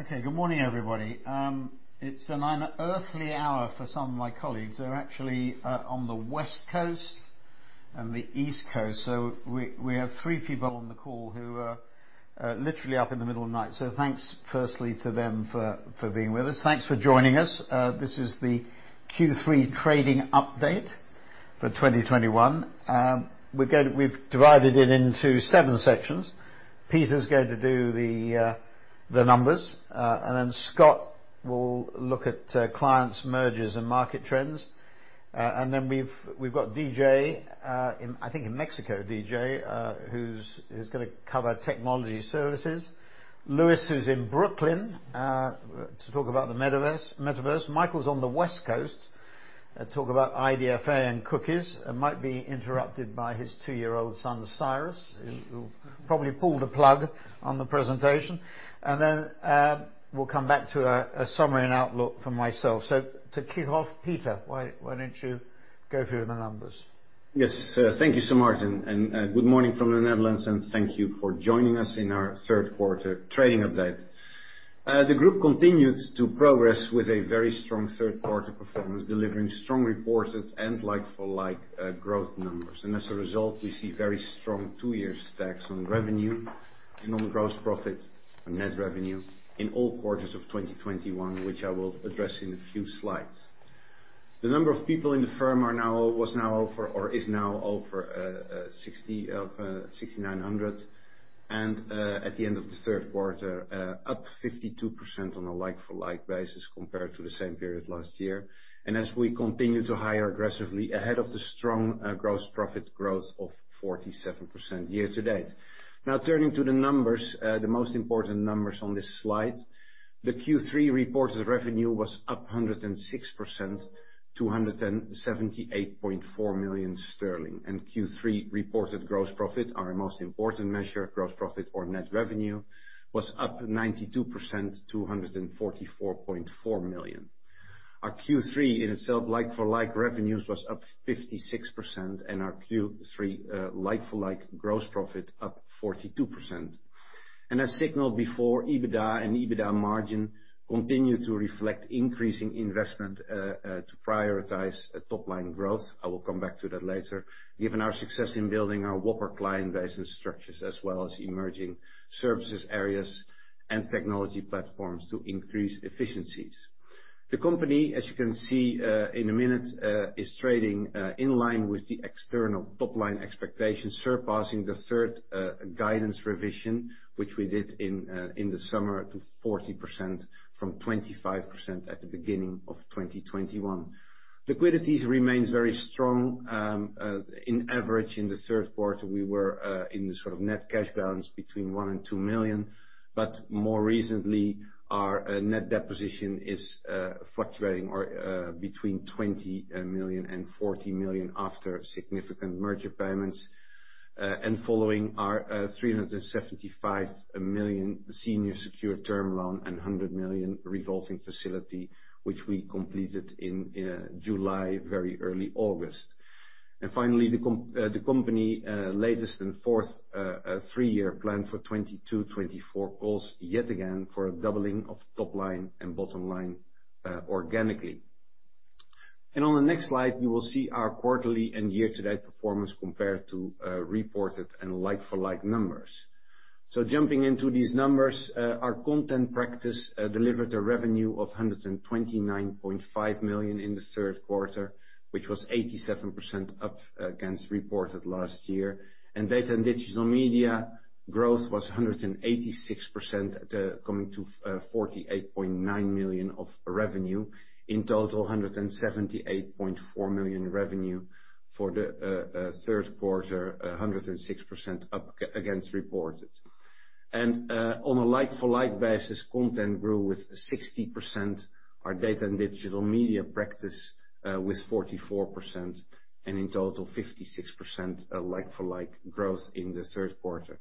Okay. Good morning, everybody. It's an unearthly hour for some of my colleagues who are actually on the West Coast and the East Coast. We have three people on the call who are literally up in the middle of the night. Thanks firstly to them for being with us. Thanks for joining us. This is the Q3 trading update for 2021. We've divided it into seven sections. Peter's going to do the numbers, and then Scott will look at clients, mergers, and market trends. We've got DJ in, I think in Mexico, DJ who's gonna cover technology services. Lewis, who's in Brooklyn, to talk about the metaverse. Michael's on the West Coast to talk about IDFA and cookies, and might be interrupted by his two-year-old son, Cyrus, who probably pulled the plug on the presentation. We'll come back to a summary and outlook from myself. To kick off, Peter, why don't you go through the numbers? Yes. Thank you, Sir Martin, and good morning from the Netherlands, and thank you for joining us in our third quarter trading update. The group continued to progress with a very strong third quarter performance, delivering strong reported and like-for-like growth numbers. As a result, we see very strong two-year stacks on revenue and on gross profit and net revenue in all quarters of 2021, which I will address in a few slides. The number of people in the firm is now over 6,900. At the end of the third quarter, up 52% on a like-for-like basis compared to the same period last year. As we continue to hire aggressively ahead of the strong gross profit growth of 47% year to date. Now turning to the numbers, the most important numbers on this slide. The Q3 reported revenue was up 106%, GBP 278.4 million. Q3 reported gross profit, our most important measure, gross profit or net revenue, was up 92%, 244.4 million. Our Q3 in itself, like-for-like, revenues was up 56%, and our Q3, like-for-like gross profit up 42%. As signaled before, EBITDA and EBITDA margin continue to reflect increasing investment to prioritize a top-line growth. I will come back to that later. Given our success in building our whopper client base and structures, as well as emerging services areas and technology platforms to increase efficiencies. The company, as you can see, in a minute, is trading in line with the external top-line expectations, surpassing the third guidance revision, which we did in the summer to 40% from 25% at the beginning of 2021. Liquidity remains very strong. On average, in the third quarter, we were in the sort of net cash balance between 1 million and 2 million. But more recently, our net debt position is fluctuating between 20 million and 40 million after significant merger payments. Following our 375 million senior secured term loan and 100 million revolving facility, which we completed in July, very early August. Finally, the company's latest and fourth three-year plan for 2022-2024 calls yet again for a doubling of top line and bottom line, organically. On the next slide, you will see our quarterly and year-to-date performance compared to reported and like-for-like numbers. Jumping into these numbers, our content practice delivered a revenue of 129.5 million in the third quarter, which was 87% up against reported last year. Data and digital media growth was 186%, coming to 48.9 million of revenue. In total, 178.4 million revenue for the third quarter, 106% up against reported. On a like-for-like basis, Content grew by 60%, our Data & Digital Media practice by 44%, and in total, 56% like-for-like growth in the third quarter.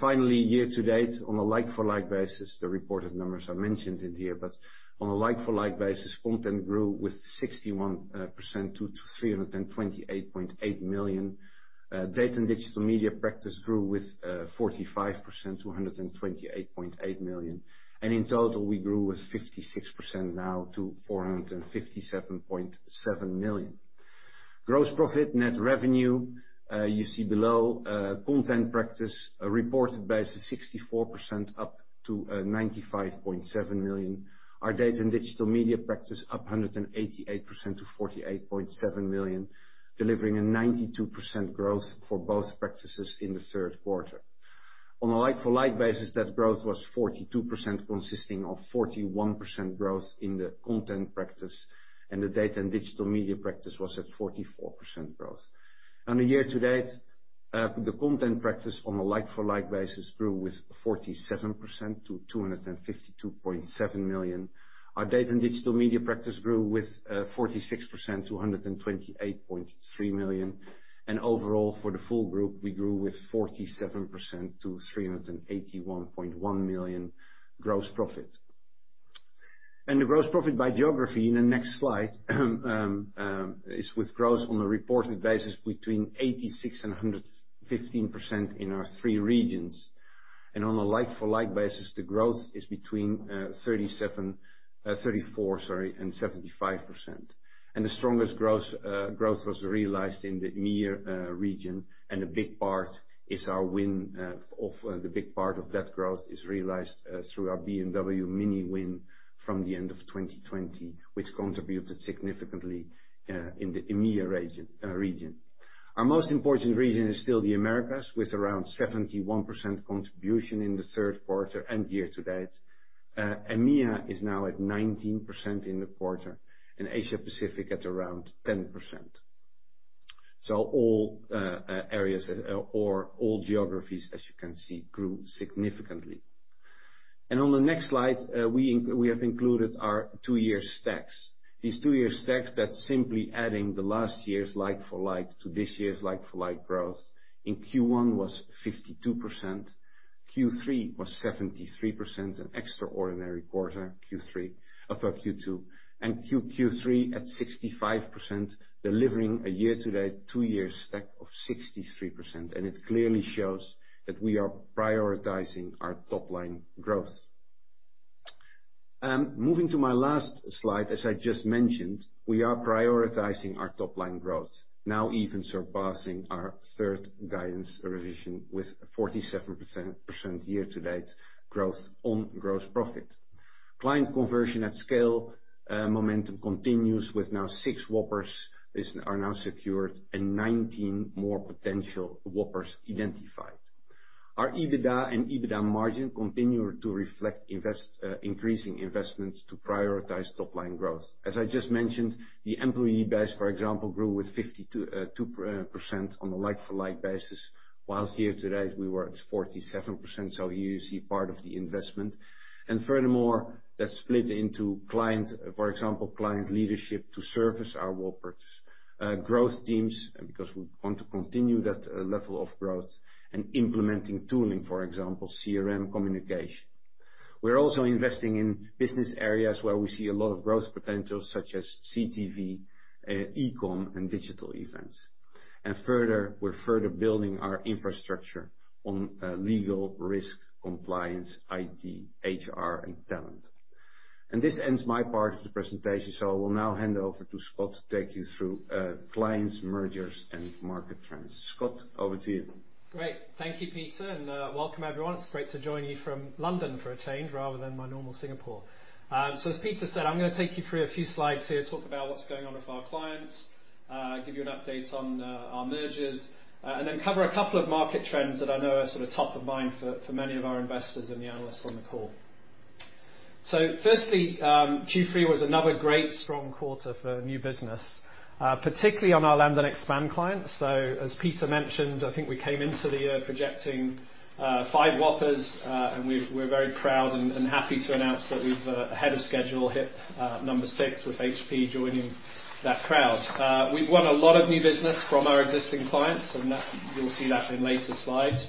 Finally, year to date, on a like-for-like basis, the reported numbers I mentioned in here, but on a like-for-like basis, Content grew by 61% to 328.8 million. Data & Digital Media practice grew by 45% to 128.8 million. In total, we grew by 56% to 457.7 million. Gross profit, net revenue you see below, Content practice reported by 64% up to 95.7 million. Our Data and Digital Media practice up 188% to 48.7 million, delivering a 92% growth for both practices in the third quarter. On a like-for-like basis, that growth was 42%, consisting of 41% growth in the content practice, and the Data and Digital Media practice was at 44% growth. On a year-to-date, the content practice on a like-for-like basis grew with 47% to 252.7 million. Our Data and Digital Media practice grew with, 46% to 128.3 million. Overall, for the full group, we grew with 47% to 381.1 million gross profit. The gross profit by geography in the next slide is with growth on a reported basis between 86% and 115% in our three regions. On a like-for-like basis, the growth is between 34%, sorry, and 75%. The strongest gross growth was realized in the EMEA region, and a big part of that growth is realized through our BMW MINI win from the end of 2020, which contributed significantly in the EMEA region. Our most important region is still the Americas, with around 71% contribution in the third quarter and year to date. EMEA is now at 19% in the quarter, and Asia-Pacific at around 10%. All areas or all geographies, as you can see, grew significantly. On the next slide, we have included our two-year stacks. These two-year stacks, that's simply adding the last year's like-for-like to this year's like-for-like growth. In Q1 was 52%, Q3 was 73%, an extraordinary quarter. Q2 and Q3 at 65%, delivering a year-to-date two-year stack of 63%. It clearly shows that we are prioritizing our top-line growth. Moving to my last slide, as I just mentioned, we are prioritizing our top-line growth, now even surpassing our third guidance revision with 47% year-to-date growth on gross profit. Client conversion at scale momentum continues with now 6 whoppers are now secured and 19 more potential whoppers identified. Our EBITDA and EBITDA margin continue to reflect increasing investments to prioritize top-line growth. As I just mentioned, the employee base, for example, grew with 52 percent on a like-for-like basis, while year-to-date we were at 47%, so you see part of the investment. Furthermore, that's split into client, for example, client leadership to service our whoppers, growth teams, because we want to continue that level of growth and implementing tooling, for example, CRM communication. We're also investing in business areas where we see a lot of growth potential, such as CTV, e-com, and digital events. Further, we're further building our infrastructure on legal, risk, compliance, IT, HR, and talent. This ends my part of the presentation, so I will now hand over to Scott to take you through clients, mergers, and market trends. Scott, over to you. Great. Thank you, Peter, and welcome everyone. It's great to join you from London for a change rather than my normal Singapore. As Peter said, I'm gonna take you through a few slides here, talk about what's going on with our clients, give you an update on our mergers, and then cover a couple of market trends that I know are sort of top of mind for many of our investors and the analysts on the call. Firstly, Q3 was another great strong quarter for new business, particularly on our land and expand clients. As Peter mentioned, I think we came into the year projecting five whoppers, and we're very proud and happy to announce that we've ahead of schedule hit number six with HP joining that crowd. We've won a lot of new business from our existing clients, and that, you'll see that in later slides.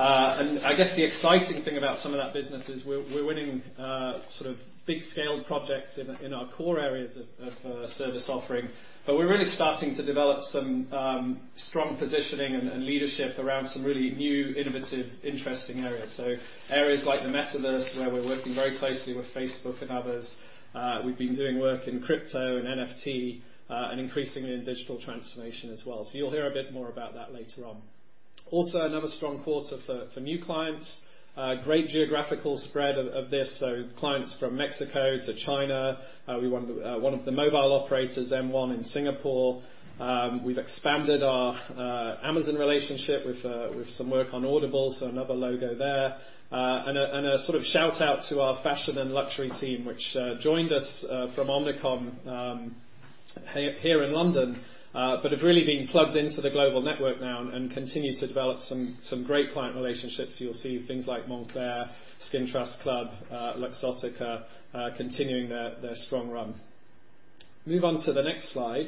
I guess the exciting thing about some of that business is we're winning sort of big scale projects in our core areas of service offering, but we're really starting to develop some strong positioning and leadership around some really new, innovative, interesting areas. Areas like the metaverse, where we're working very closely with Facebook and others, we've been doing work in crypto and NFT, and increasingly in digital transformation as well. You'll hear a bit more about that later on. Also, another strong quarter for new clients, great geographical spread of this, clients from Mexico to China, we won one of the mobile operators, M1 in Singapore. We've expanded our Amazon relationship with some work on Audible, so another logo there. A sort of shout-out to our fashion and luxury team, which joined us from Omnicom here in London, but have really been plugged into the global network now and continue to develop some great client relationships. You'll see things like Moncler, Skin Trust Club, Luxottica, continuing their strong run. Move on to the next slide.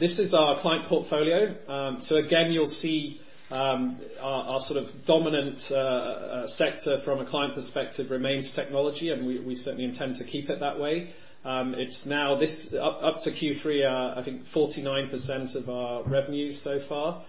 This is our client portfolio. Again, you'll see our sort of dominant sector from a client perspective remains technology, and we certainly intend to keep it that way. It's now up to Q3, I think 49% of our revenue so far,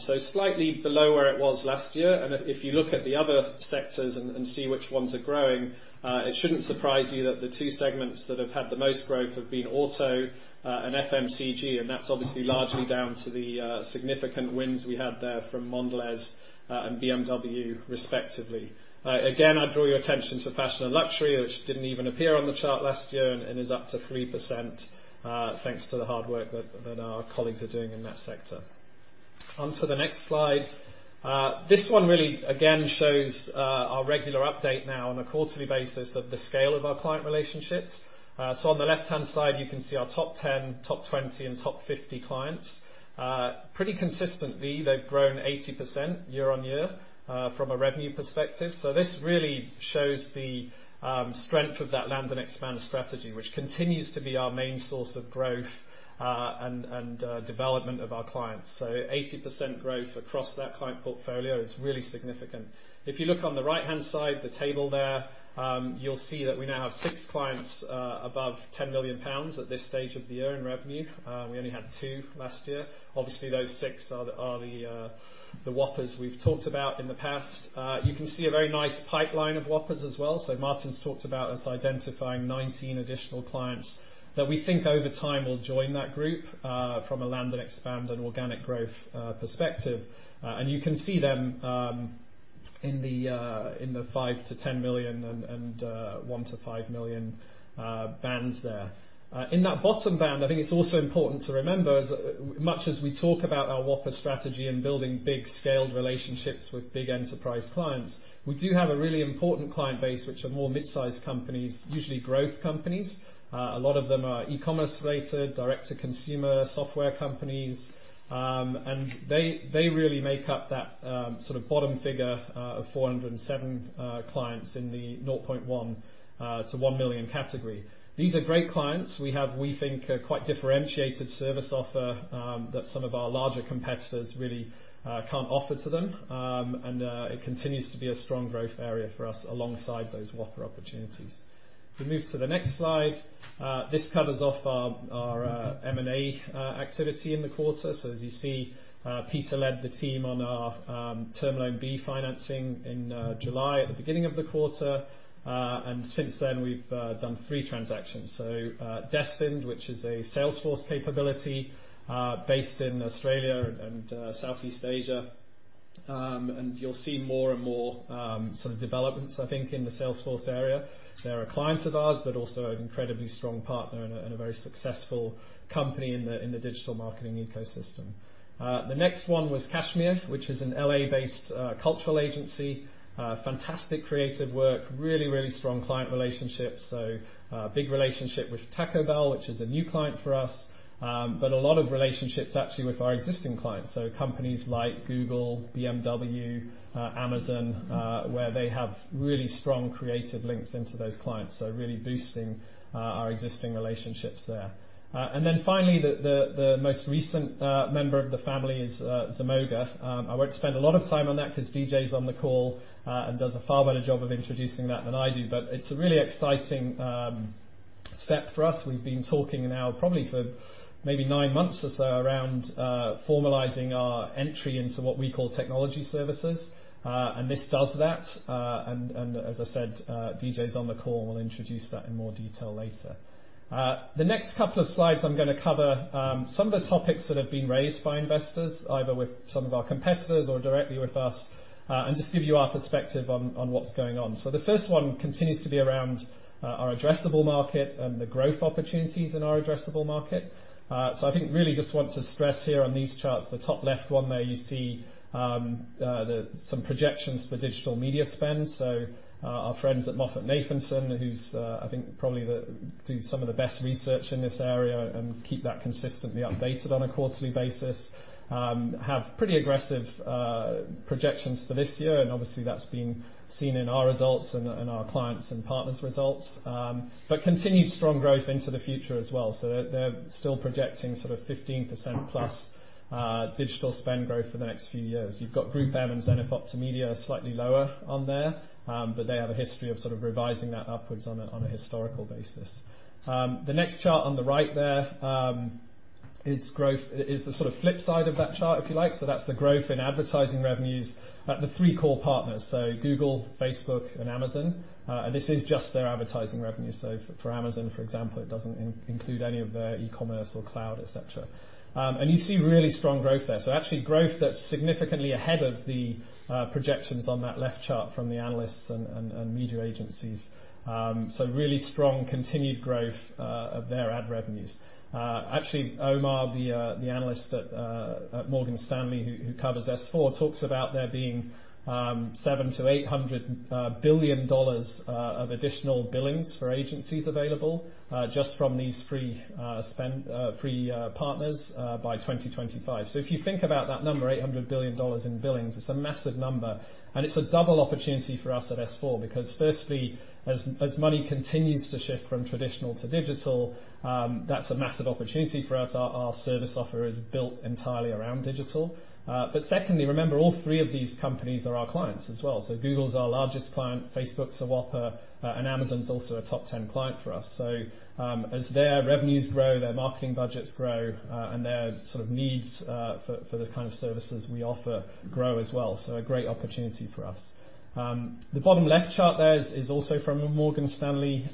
so slightly below where it was last year. If you look at the other sectors and see which ones are growing, it shouldn't surprise you that the two segments that have had the most growth have been auto and FMCG, and that's obviously largely down to the significant wins we had there from Mondelēz and BMW respectively. Again, I draw your attention to fashion and luxury, which didn't even appear on the chart last year and is up to 3%, thanks to the hard work that our colleagues are doing in that sector. Onto the next slide. This one really, again, shows our regular update now on a quarterly basis of the scale of our client relationships. So on the left-hand side, you can see our top 10, top 20, and top 50 clients. Pretty consistently, they've grown 80% year-on-year from a revenue perspective. This really shows the strength of that land and expand strategy, which continues to be our main source of growth and development of our clients. 80% growth across that client portfolio is really significant. If you look on the right-hand side, the table there, you'll see that we now have six clients above 10 million pounds at this stage of the year in revenue. We only had two last year. Obviously, those six are the whoppers we've talked about in the past. You can see a very nice pipeline of whoppers as well. Martin's talked about us identifying 19 additional clients that we think over time will join that group, from a land and expand and organic growth perspective. You can see them in the $5 million-$10 million and $1 million-$5 million bands there. In that bottom band, I think it's also important to remember, as much as we talk about our whopper strategy and building big scaled relationships with big enterprise clients, we do have a really important client base, which are more mid-sized companies, usually growth companies. A lot of them are e-commerce related, direct-to-consumer software companies. They really make up that sort of bottom figure of 407 clients in the 0.1 to $1 million category. These are great clients. We have, we think, a quite differentiated service offer that some of our larger competitors really can't offer to them. It continues to be a strong growth area for us alongside those whopper opportunities. If we move to the next slide, this covers off our M&A activity in the quarter. As you see, Peter led the team on our Term Loan B financing in July at the beginning of the quarter. Since then, we've done three transactions. Destined, which is a Salesforce capability, based in Australia and Southeast Asia. You'll see more and more sort of developments, I think, in the Salesforce area. They're a client of ours, but also an incredibly strong partner and a very successful company in the digital marketing ecosystem. The next one was Cashmere, which is an L.A.-based cultural agency. Fantastic creative work. Really strong client relationships. Big relationship with Taco Bell, which is a new client for us. A lot of relationships actually with our existing clients. Companies like Google, BMW, Amazon, where they have really strong creative links into those clients. Really boosting our existing relationships there. Finally, the most recent member of the family is Zemoga. I won't spend a lot of time on that because DJ's on the call and does a far better job of introducing that than I do. It's a really exciting step for us. We've been talking now probably for maybe nine months or so around formalizing our entry into what we call Technology Services. This does that. As I said, DJ's on the call and will introduce that in more detail later. The next couple of slides, I'm gonna cover some of the topics that have been raised by investors, either with some of our competitors or directly with us, and just give you our perspective on what's going on. The first one continues to be around our addressable market and the growth opportunities in our addressable market. I think really just want to stress here on these charts, the top left one there you see some projections for digital media spend. Our friends at MoffettNathanson, I think probably do some of the best research in this area and keep that consistently updated on a quarterly basis, have pretty aggressive projections for this year. Obviously, that's been seen in our results and our clients and partners results. Continued strong growth into the future as well. They're still projecting sort of 15%+ digital spend growth for the next few years. You've got GroupM and ZenithOptimedia are slightly lower on there, but they have a history of sort of revising that upwards on a historical basis. The next chart on the right there is the sort of flip side of that chart, if you like. That's the growth in advertising revenues at the three core partners, so Google, Facebook, and Amazon. This is just their advertising revenue. For Amazon, for example, it doesn't include any of their e-commerce or cloud, et cetera. You see really strong growth there. Actually growth that's significantly ahead of the projections on that left chart from the analysts and media agencies. Really strong continued growth of their ad revenues. Actually, Omar, the analyst at Morgan Stanley who covers S4, talks about there being $700 billion-$800 billion of additional billings for agencies available just from the spend of these three partners by 2025. If you think about that number, $800 billion in billings, it's a massive number. It's a double opportunity for us at S4 because firstly, as money continues to shift from traditional to digital, that's a massive opportunity for us. Our service offer is built entirely around digital. But secondly, remember all three of these companies are our clients as well. So Google's our largest client, Facebook's a whopper, and Amazon's also a top ten client for us. So as their revenues grow, their marketing budgets grow, and their sort of needs for the kind of services we offer grow as well. A great opportunity for us. The bottom left chart there is also from a Morgan Stanley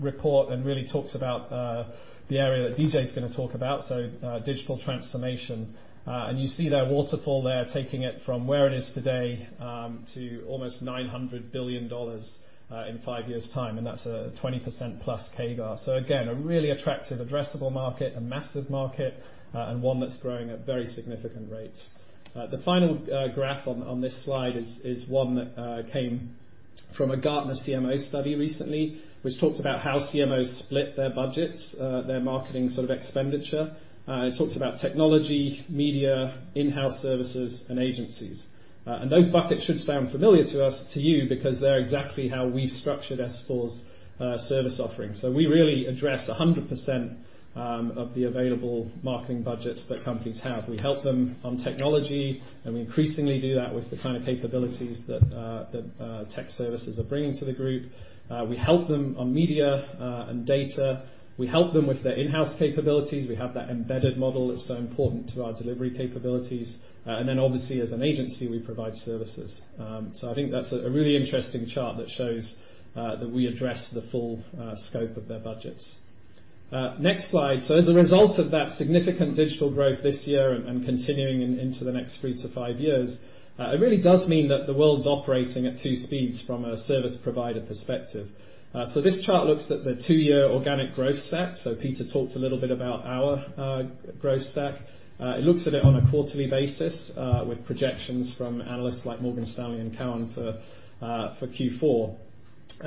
report and really talks about the area that DJ's gonna talk about, so digital transformation. You see that waterfall there, taking it from where it is today, to almost $900 billion in five years' time, and that's a 20%+ CAGR. Again, a really attractive addressable market, a massive market, and one that's growing at very significant rates. The final graph on this slide is one that came from a Gartner CMO study recently, which talks about how CMOs split their budgets, their marketing sort of expenditure. It talks about technology, media, in-house services, and agencies. Those buckets should sound familiar to us, to you, because they're exactly how we structured S4's service offering. We really address 100% of the available marketing budgets that companies have. We help them on technology, and we increasingly do that with the kind of capabilities that tech services are bringing to the group. We help them on media and data. We help them with their in-house capabilities. We have that embedded model that's so important to our delivery capabilities. Then obviously, as an agency, we provide services. I think that's a really interesting chart that shows that we address the full scope of their budgets. Next slide. As a result of that significant digital growth this year and continuing into the next three to five years, it really does mean that the world's operating at two speeds from a service provider perspective. This chart looks at the two-year organic growth stack. Peter talked a little bit about our growth stack. It looks at it on a quarterly basis with projections from analysts like Morgan Stanley and Cowen for Q4.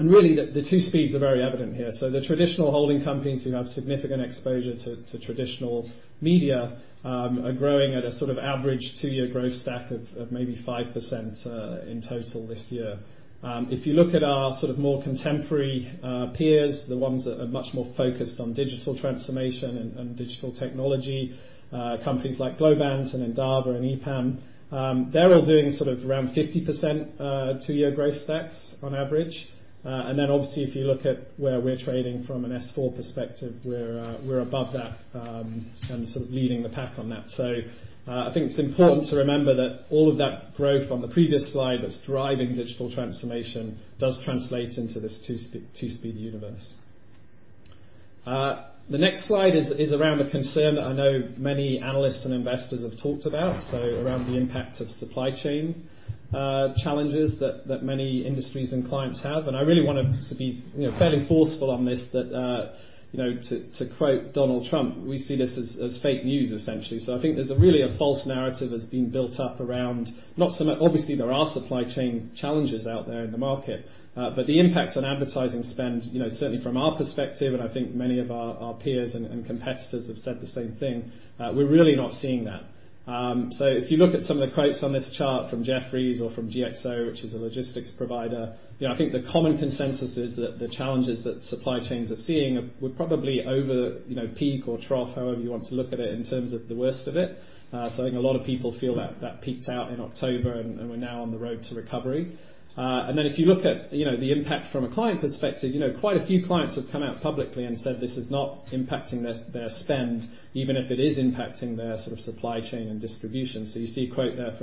Really the two speeds are very evident here. The traditional holding companies who have significant exposure to traditional media are growing at a sort of average two-year growth stack of maybe 5% in total this year. If you look at our sort of more contemporary peers, the ones that are much more focused on digital transformation and digital technology, companies like Globant and Endava and EPAM, they're all doing sort of around 50% two-year growth stacks on average. Then obviously, if you look at where we're trading from an S4 perspective, we're above that and sort of leading the pack on that. I think it's important to remember that all of that growth on the previous slide that's driving digital transformation does translate into this two-speed universe. The next slide is around a concern I know many analysts and investors have talked about, so around the impact of supply chain challenges that many industries and clients have. I really wanted to be, you know, fairly forceful on this that, you know, to quote Donald Trump, we see this as fake news essentially. I think there's a really a false narrative that's been built up around obviously there are supply chain challenges out there in the market, but the impact on advertising spend, you know, certainly from our perspective, and I think many of our peers and competitors have said the same thing, we're really not seeing that. If you look at some of the quotes on this chart from Jefferies or from GXO, which is a logistics provider, you know, I think the common consensus is that the challenges that supply chains are seeing were probably over peak or trough, however you want to look at it in terms of the worst of it. I think a lot of people feel that that peaked out in October and we're now on the road to recovery. If you look at, you know, the impact from a client perspective, you know, quite a few clients have come out publicly and said this is not impacting their spend, even if it is impacting their sort of supply chain and distribution. You see a quote there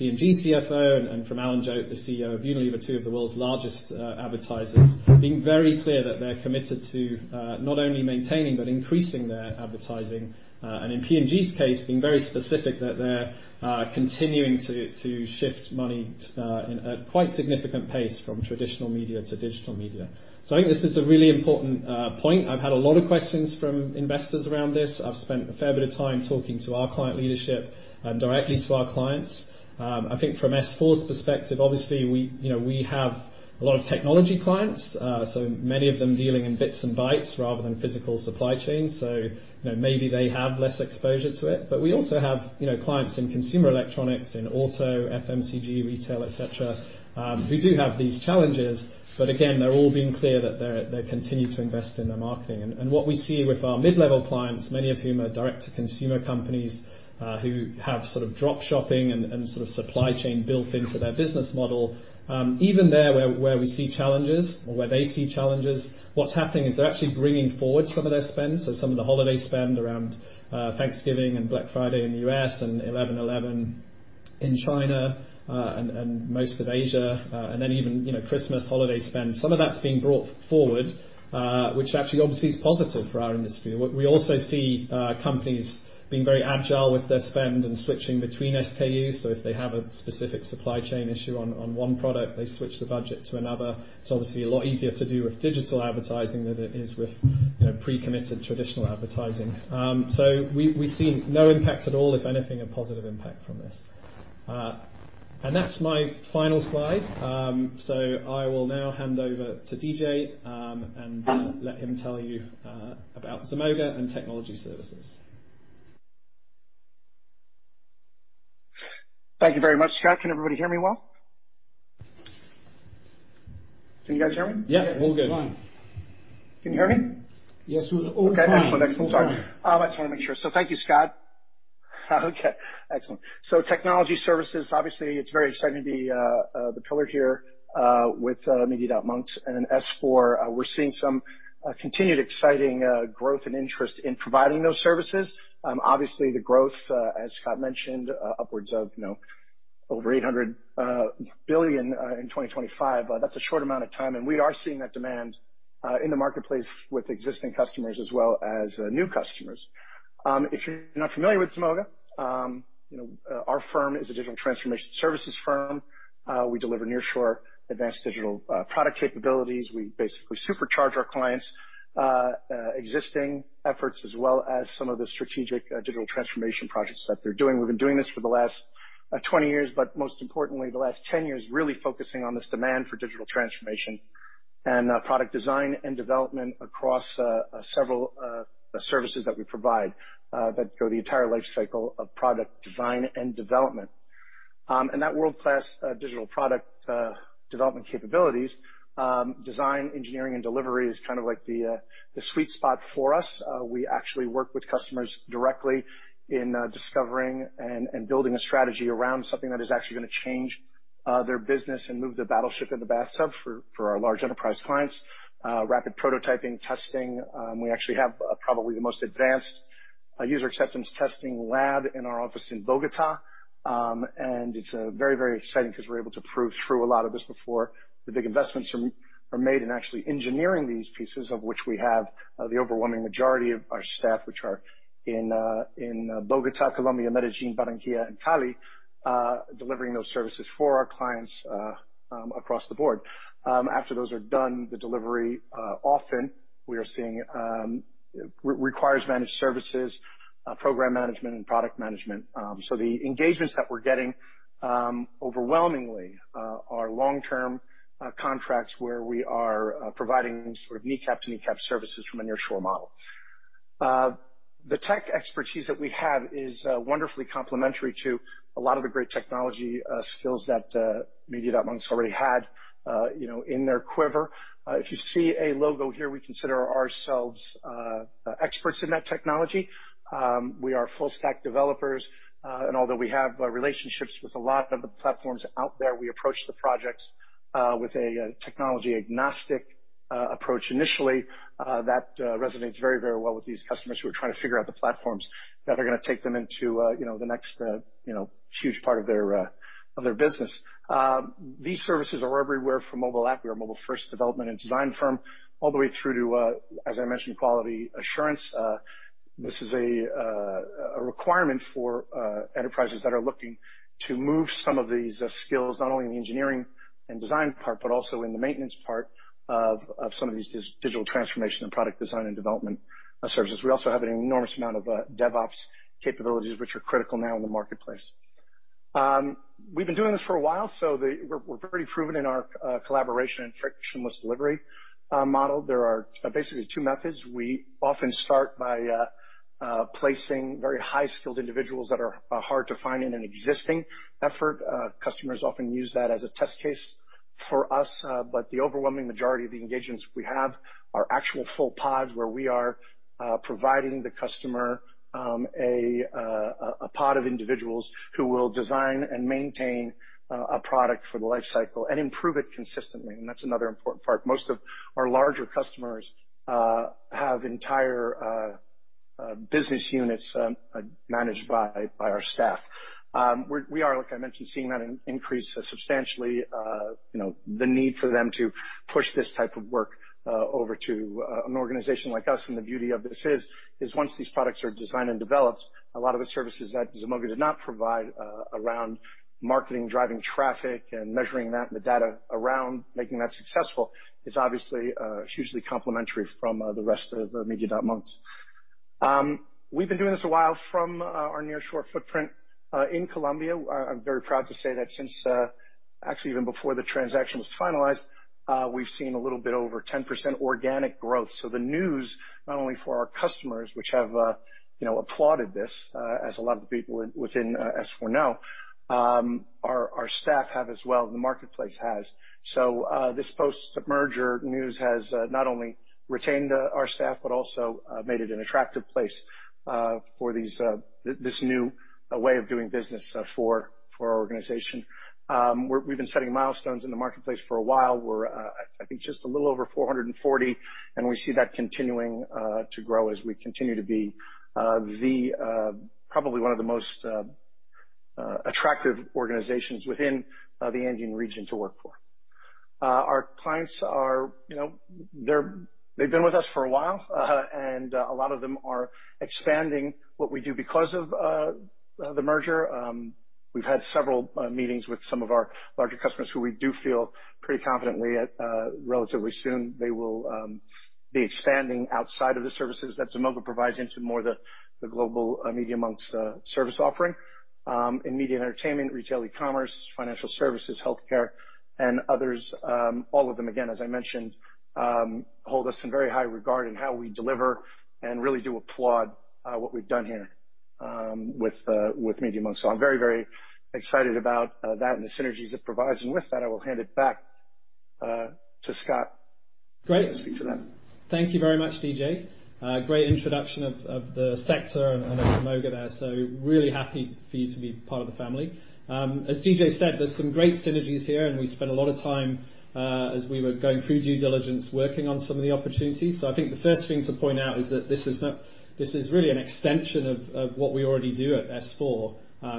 from P&G CFO and from Alan Jope, the CEO of Unilever, two of the world's largest advertisers, being very clear that they're committed to not only maintaining but increasing their advertising, and in P&G's case, being very specific that they're continuing to shift money in a quite significant pace from traditional media to digital media. I think this is a really important point. I've had a lot of questions from investors around this. I've spent a fair bit of time talking to our client leadership and directly to our clients. I think from S4's perspective, obviously we, you know, we have a lot of technology clients, so many of them dealing in bits and bytes rather than physical supply chains. So, you know, maybe they have less exposure to it. But we also have, you know, clients in consumer electronics, in auto, FMCG, retail, et cetera, who do have these challenges. But again, they're all being clear that they continue to invest in their marketing. What we see with our mid-level clients, many of whom are direct-to-consumer companies, who have sort of drop shipping and sort of supply chain built into their business model, even there where we see challenges or where they see challenges, what's happening is they're actually bringing forward some of their spend. Some of the holiday spend around Thanksgiving and Black Friday in the U.S. and 11.11 in China and most of Asia and then even, you know, Christmas holiday spend, some of that's being brought forward, which actually obviously is positive for our industry. We also see companies being very agile with their spend and switching between SKUs. If they have a specific supply chain issue on one product, they switch the budget to another. It's obviously a lot easier to do with digital advertising than it is with, you know, pre-committed traditional advertising. We see no impact at all, if anything, a positive impact from this. That's my final slide. I will now hand over to DJ, and let him tell you about Zemoga and technology services. Thank you very much, Scott. Can everybody hear me well? Can you guys hear me? Yeah, all good. Can you hear me? Yes, all fine. Thank you, Scott. Technology Services, obviously it's very exciting to be the pillar here with Media.Monks and S4. We're seeing some continued exciting growth and interest in providing those services. Obviously the growth as Scott mentioned upwards of over $800 billion in 2025. That's a short amount of time, and we are seeing that demand in the marketplace with existing customers as well as new customers. If you're not familiar with Zemoga, our firm is a digital transformation services firm. We deliver nearshore advanced digital product capabilities. We basically supercharge our clients' existing efforts as well as some of the strategic digital transformation projects that they're doing. We've been doing this for the last 20 years, but most importantly the last 10 years, really focusing on this demand for digital transformation and product design and development across several services that we provide that go the entire life cycle of product design and development. That world-class digital product development capabilities, design, engineering, and delivery is kind of like the sweet spot for us. We actually work with customers directly in discovering and building a strategy around something that is actually gonna change their business and move the battleship in the bathtub for our large enterprise clients. Rapid prototyping, testing, we actually have probably the most advanced user acceptance testing lab in our office in Bogotá. It's very exciting 'cause we're able to prove through a lot of this before the big investments are made in actually engineering these pieces, of which we have the overwhelming majority of our staff, which are in Bogotá, Colombia, Medellín, Barranquilla, and Cali, delivering those services for our clients across the board. After those are done, the delivery often we are seeing requirements managed services, program management and product management. The engagements that we're getting overwhelmingly are long-term contracts where we are providing sort of end-to-end services from a nearshore model. The tech expertise that we have is wonderfully complementary to a lot of the great technology skills that Media.Monks already had, you know, in their quiver. If you see a logo here, we consider ourselves experts in that technology. We are full stack developers, and although we have relationships with a lot of the platforms out there, we approach the projects with a technology agnostic approach initially. That resonates very, very well with these customers who are trying to figure out the platforms that are gonna take them into, you know, the next, you know, huge part of their business. These services are everywhere from mobile app. We are a mobile-first development and design firm all the way through to, as I mentioned, quality assurance. This is a requirement for enterprises that are looking to move some of these skills, not only in the engineering and design part, but also in the maintenance part of some of these digital transformation and product design and development services. We also have an enormous amount of DevOps capabilities, which are critical now in the marketplace. We've been doing this for a while, so we're pretty proven in our collaboration and frictionless delivery model. There are basically two methods. We often start by placing very high-skilled individuals that are hard to find in an existing effort. Customers often use that as a test case for us, but the overwhelming majority of the engagements we have are actual full pods where we are providing the customer a pod of individuals who will design and maintain a product for the life cycle and improve it consistently, and that's another important part. Most of our larger customers have entire business units managed by our staff. We are, like I mentioned, seeing that increase substantially, you know, the need for them to push this type of work over to an organization like us, and the beauty of this is once these products are designed and developed, a lot of the services that Zemoga did not provide around marketing, driving traffic, and measuring that and the data around making that successful is obviously hugely complementary from the rest of Media.Monks. We've been doing this a while from our nearshore footprint in Colombia. I'm very proud to say that since actually, even before the transaction was finalized, we've seen a little bit over 10% organic growth. The news, not only for our customers, which have, you know, applauded this, as a lot of the people within S4 know, our staff have as well, and the marketplace has. This post-merger news has not only retained our staff, but also made it an attractive place for this new way of doing business for our organization. We've been setting milestones in the marketplace for a while. We're, I think just a little over 440, and we see that continuing to grow as we continue to be probably one of the most attractive organizations within the Andean region to work for. Our clients are, you know, they've been with us for a while, and a lot of them are expanding what we do. Because of the merger, we've had several meetings with some of our larger customers who we do feel pretty confident that relatively soon they will be expanding outside of the services that Zemoga provides into more of the global Media.Monks service offering in media and entertainment, retail, e-commerce, financial services, healthcare and others. All of them, again, as I mentioned, hold us in very high regard in how we deliver and really do applaud what we've done here with Media.Monks. I'm very, very excited about that and the synergies it provides. With that, I will hand it back to Scott. Great. To speak to that. Thank you very much, DJ. Great introduction of the sector and of Zemoga there. Really happy for you to be part of the family. As DJ said, there's some great synergies here, and we spent a lot of time as we were going through due diligence, working on some of the opportunities. I think the first thing to point out is that this is really an extension of what we already do at S4.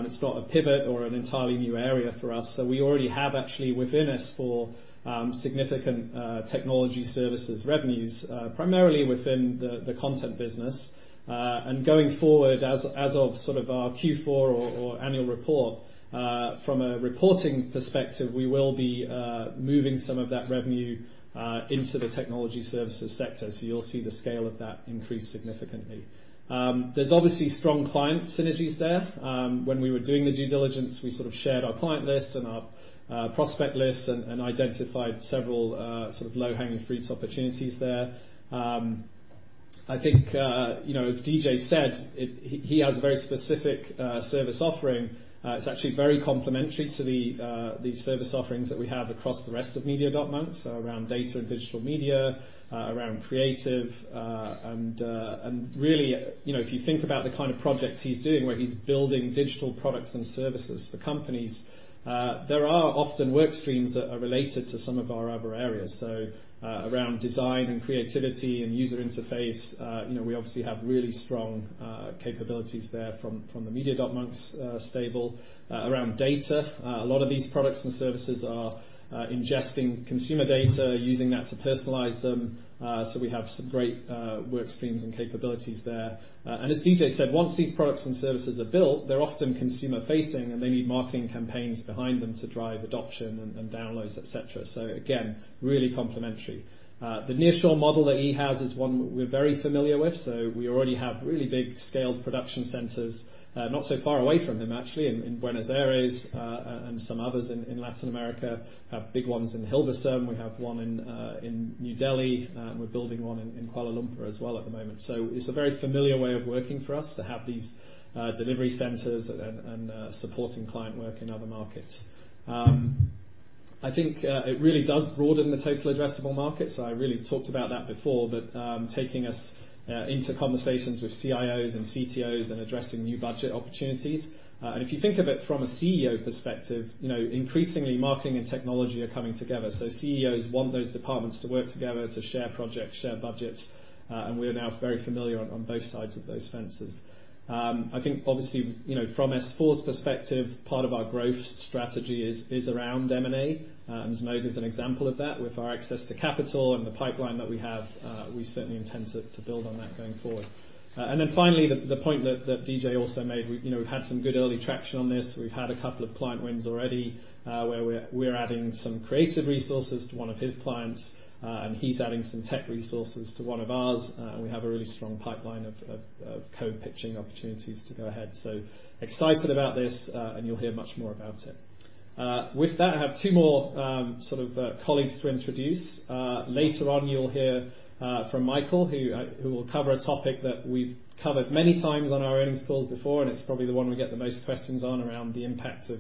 It's not a pivot or an entirely new area for us. We already have actually within S4 significant Technology Services revenues, primarily within the content business. Going forward as of sort of our Q4 or annual report, from a reporting perspective, we will be moving some of that revenue into the Technology Services sector. You'll see the scale of that increase significantly. There's obviously strong client synergies there. When we were doing the due diligence, we sort of shared our client lists and our prospect lists and identified several sort of low-hanging fruit opportunities there. I think, you know, as DJ said, he has a very specific service offering. It's actually very complementary to the service offerings that we have across the rest of Media.Monks, so around Data & Digital Media, around creative. Really, you know, if you think about the kind of projects he's doing where he's building digital products and services for companies, there are often work streams that are related to some of our other areas. Around design and creativity and user interface, you know, we obviously have really strong capabilities there from the Media.Monks stable. Around data, a lot of these products and services are ingesting consumer data, using that to personalize them, so we have some great work streams and capabilities there. As DJ said, once these products and services are built, they're often consumer-facing, and they need marketing campaigns behind them to drive adoption and downloads, et cetera. Again, really complementary. The nearshore model that he has is one we're very familiar with. We already have really big scaled production centers, not so far away from him actually in Buenos Aires, and some others in Latin America. We have big ones in Hilversum. We have one in New Delhi, and we're building one in Kuala Lumpur as well at the moment. It's a very familiar way of working for us to have these delivery centers and supporting client work in other markets. I think it really does broaden the total addressable market. I really talked about that before, but taking us into conversations with CIOs and CTOs and addressing new budget opportunities. If you think of it from a CEO perspective, you know, increasingly marketing and technology are coming together. CEOs want those departments to work together to share projects, share budgets, and we're now very familiar on both sides of those fences. I think obviously, you know, from S4's perspective, part of our growth strategy is around M&A, and Monks is an example of that. With our access to capital and the pipeline that we have, we certainly intend to build on that going forward. Finally, the point that DJ also made, you know, we've had some good early traction on this. We've had a couple of client wins already, where we're adding some creative resources to one of his clients, and he's adding some tech resources to one of ours. We have a really strong pipeline of co-pitching opportunities to go ahead. Excited about this, and you'll hear much more about it. With that, I have two more, sort of, colleagues to introduce. Later on, you'll hear from Michael, who will cover a topic that we've covered many times on our earnings calls before, and it's probably the one we get the most questions on around the impact of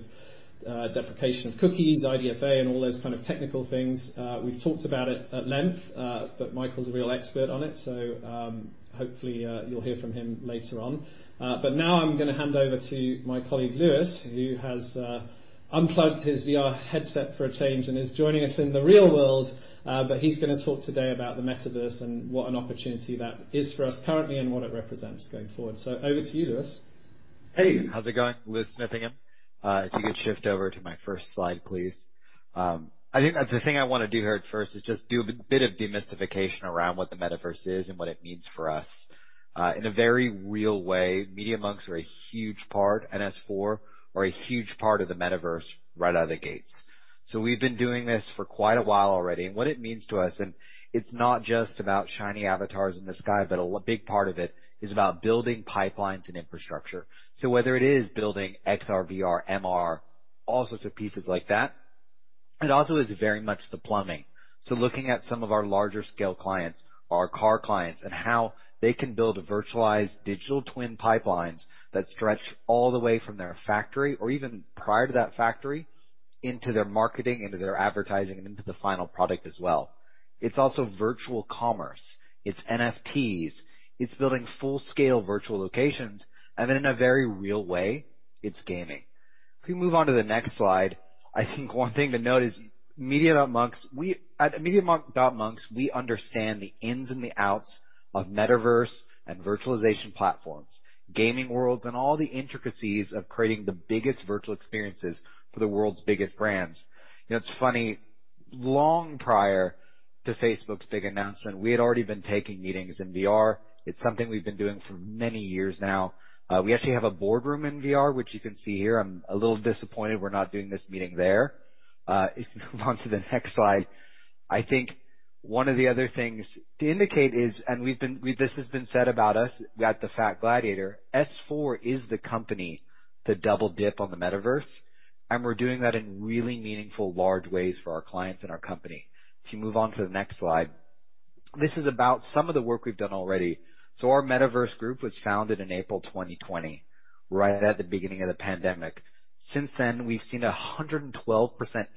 deprecation of cookies, IDFA, and all those kind of technical things. We've talked about it at length, but Michael's a real expert on it, so hopefully you'll hear from him later on. Now I'm gonna hand over to my colleague, Lewis, who has unplugged his VR headset for a change and is joining us in the real world, but he's gonna talk today about the metaverse and what an opportunity that is for us currently and what it represents going forward. Over to you, Lewis. Hey, how's it going? Lewis Smithingham. If you could shift over to my first slide, please. I think that the thing I wanna do here at first is just do a bit of demystification around what the metaverse is and what it means for us. In a very real way, Media.Monks are a huge part, and S4 are a huge part of the metaverse right out of the gates. We've been doing this for quite a while already. What it means to us, and it's not just about shiny avatars in the sky, but a big part of it is about building pipelines and infrastructure. Whether it is building XR, VR, MR, all sorts of pieces like that, it also is very much the plumbing. Looking at some of our larger scale clients, our car clients, and how they can build a virtualized digital twin pipelines that stretch all the way from their factory or even prior to that factory, into their marketing, into their advertising, and into the final product as well. It's also virtual commerce, it's NFTs, it's building full-scale virtual locations, and then in a very real way, it's gaming. If we move on to the next slide. I think one thing to note is Media.Monks. At Media.Monks, we understand the ins and the outs of metaverse and virtualization platforms, gaming worlds, and all the intricacies of creating the biggest virtual experiences for the world's biggest brands. You know, it's funny, long prior to Facebook's big announcement, we had already been taking meetings in VR. It's something we've been doing for many years now. We actually have a boardroom in VR, which you can see here. I'm a little disappointed we're not doing this meeting there. If you move on to the next slide. I think one of the other things to indicate is, this has been said about us at the Financial Times, S4 is the company to double-dip on the metaverse, and we're doing that in really meaningful, large ways for our clients and our company. If you move on to the next slide. This is about some of the work we've done already. Our metaverse group was founded in April 2020, right at the beginning of the pandemic. Since then, we've seen a 112%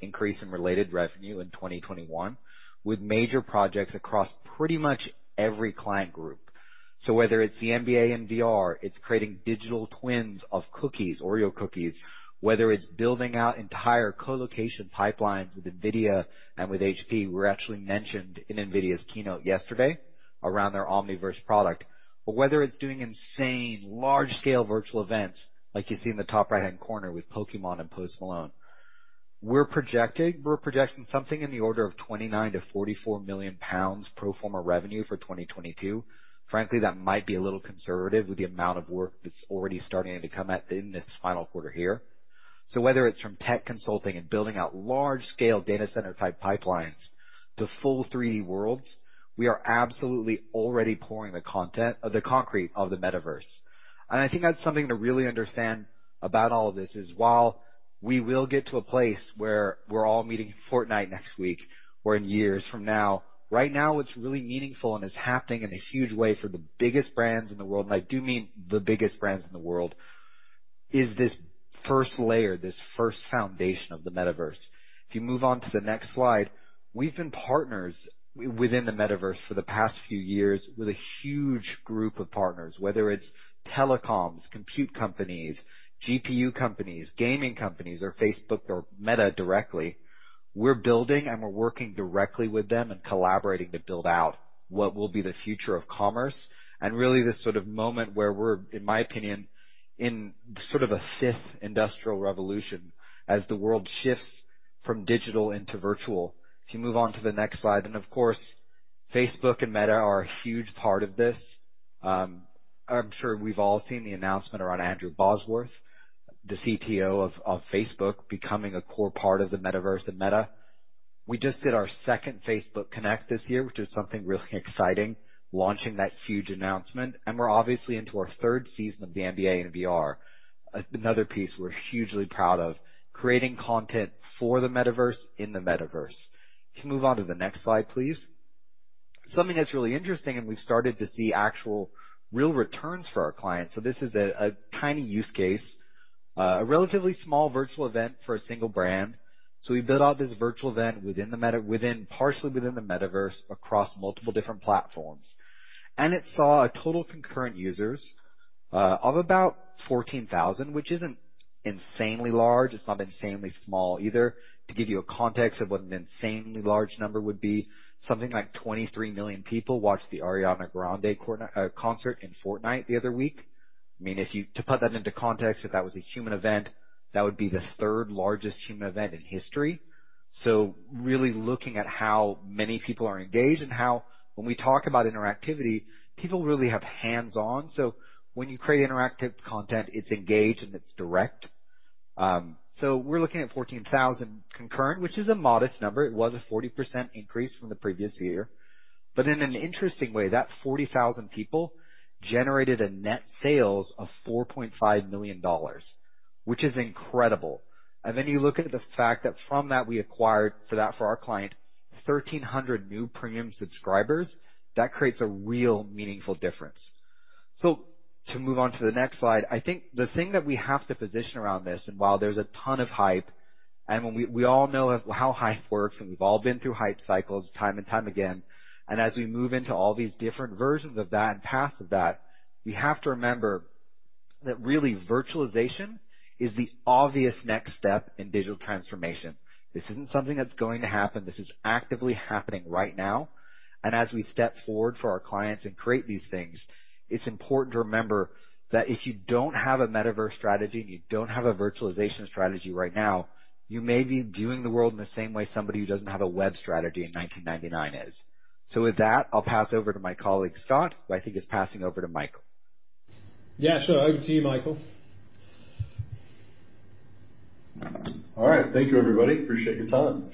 increase in related revenue in 2021, with major projects across pretty much every client group. Whether it's the NBA in VR, it's creating digital twins of cookies, OREO cookies, whether it's building out entire co-location pipelines with NVIDIA and with HP. We're actually mentioned in NVIDIA's keynote yesterday around their Omniverse product. Whether it's doing insane large scale virtual events, like you see in the top right-hand corner with Pokémon and Post Malone. We're projecting something in the order of 29 million-44 million pounds pro forma revenue for 2022. Frankly, that might be a little conservative with the amount of work that's already starting to come in in this final quarter here. Whether it's from tech consulting and building out large scale data center type pipelines to full 3D worlds, we are absolutely already pouring the content, the concrete of the metaverse. I think that's something to really understand about all of this, is while we will get to a place where we're all meeting in Fortnite next week or in years from now, right now what's really meaningful and is happening in a huge way for the biggest brands in the world, and I do mean the biggest brands in the world, is this first layer, this first foundation of the metaverse. If you move on to the next slide. We've been partners within the metaverse for the past few years with a huge group of partners, whether it's telecoms, compute companies, GPU companies, gaming companies, or Facebook or Meta directly. We're building and we're working directly with them and collaborating to build out what will be the future of commerce and really this sort of moment where we're, in my opinion, in sort of a fifth industrial revolution as the world shifts from digital into virtual. If you move on to the next slide. Of course, Facebook and Meta are a huge part of this. I'm sure we've all seen the announcement around Andrew Bosworth, the CTO of Facebook, becoming a core part of the metaverse and Meta. We just did our second Facebook Connect this year, which is something really exciting, launching that huge announcement. We're obviously into our third season of the NBA in VR. Another piece we're hugely proud of, creating content for the metaverse in the metaverse. If you move on to the next slide, please. Something that's really interesting, and we've started to see actual real returns for our clients. This is a tiny use case, a relatively small virtual event for a single brand. We built out this virtual event within the metaverse across multiple different platforms. It saw a total concurrent users of about 14,000, which isn't insanely large. It's not insanely small either. To give you a context of what an insanely large number would be, something like 23 million people watched the Ariana Grande concert in Fortnite the other week. I mean, to put that into context, if that was a human event, that would be the third largest human event in history. Really looking at how many people are engaged and how when we talk about interactivity, people really have hands-on. When you create interactive content, it's engaged and it's direct. We're looking at 14,000 concurrent, which is a modest number. It was a 40% increase from the previous year. In an interesting way, that 40,000 people generated net sales of $4.5 million, which is incredible. Then you look at the fact that from that we acquired for that, for our client, 1,300 new premium subscribers. That creates a real meaningful difference. To move on to the next slide, I think the thing that we have to position around this, and while there's a ton of hype, and when we all know of how hype works, and we've all been through hype cycles time and time again, and as we move into all these different versions of that and paths of that, we have to remember that really virtualization is the obvious next step in digital transformation. This isn't something that's going to happen. This is actively happening right now. As we step forward for our clients and create these things, it's important to remember that if you don't have a metaverse strategy and you don't have a virtualization strategy right now, you may be viewing the world in the same way somebody who doesn't have a web strategy in 1999 is. With that, I'll pass over to my colleague, Scott, who I think is passing over to Michael. Yeah, sure. Over to you, Michael. All right. Thank you, everybody. Appreciate your time.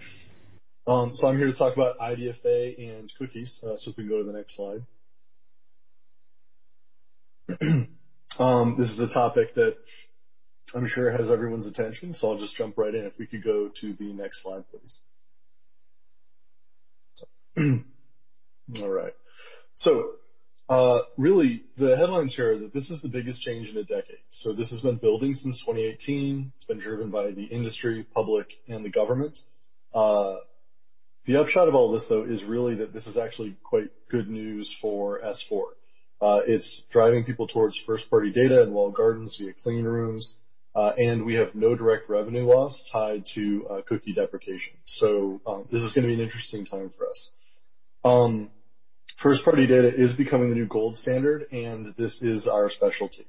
I'm here to talk about IDFA and cookies. If we can go to the next slide. This is a topic that I'm sure has everyone's attention, I'll just jump right in. If we could go to the next slide, please. All right. Really the headlines here are that this is the biggest change in a decade. This has been building since 2018. It's been driven by the industry, public and the government. The upshot of all this, though, is really that this is actually quite good news for S4. It's driving people towards first-party data and walled gardens via clean rooms, and we have no direct revenue loss tied to cookie deprecation. This is gonna be an interesting time for us. First-party data is becoming the new gold standard, and this is our specialty.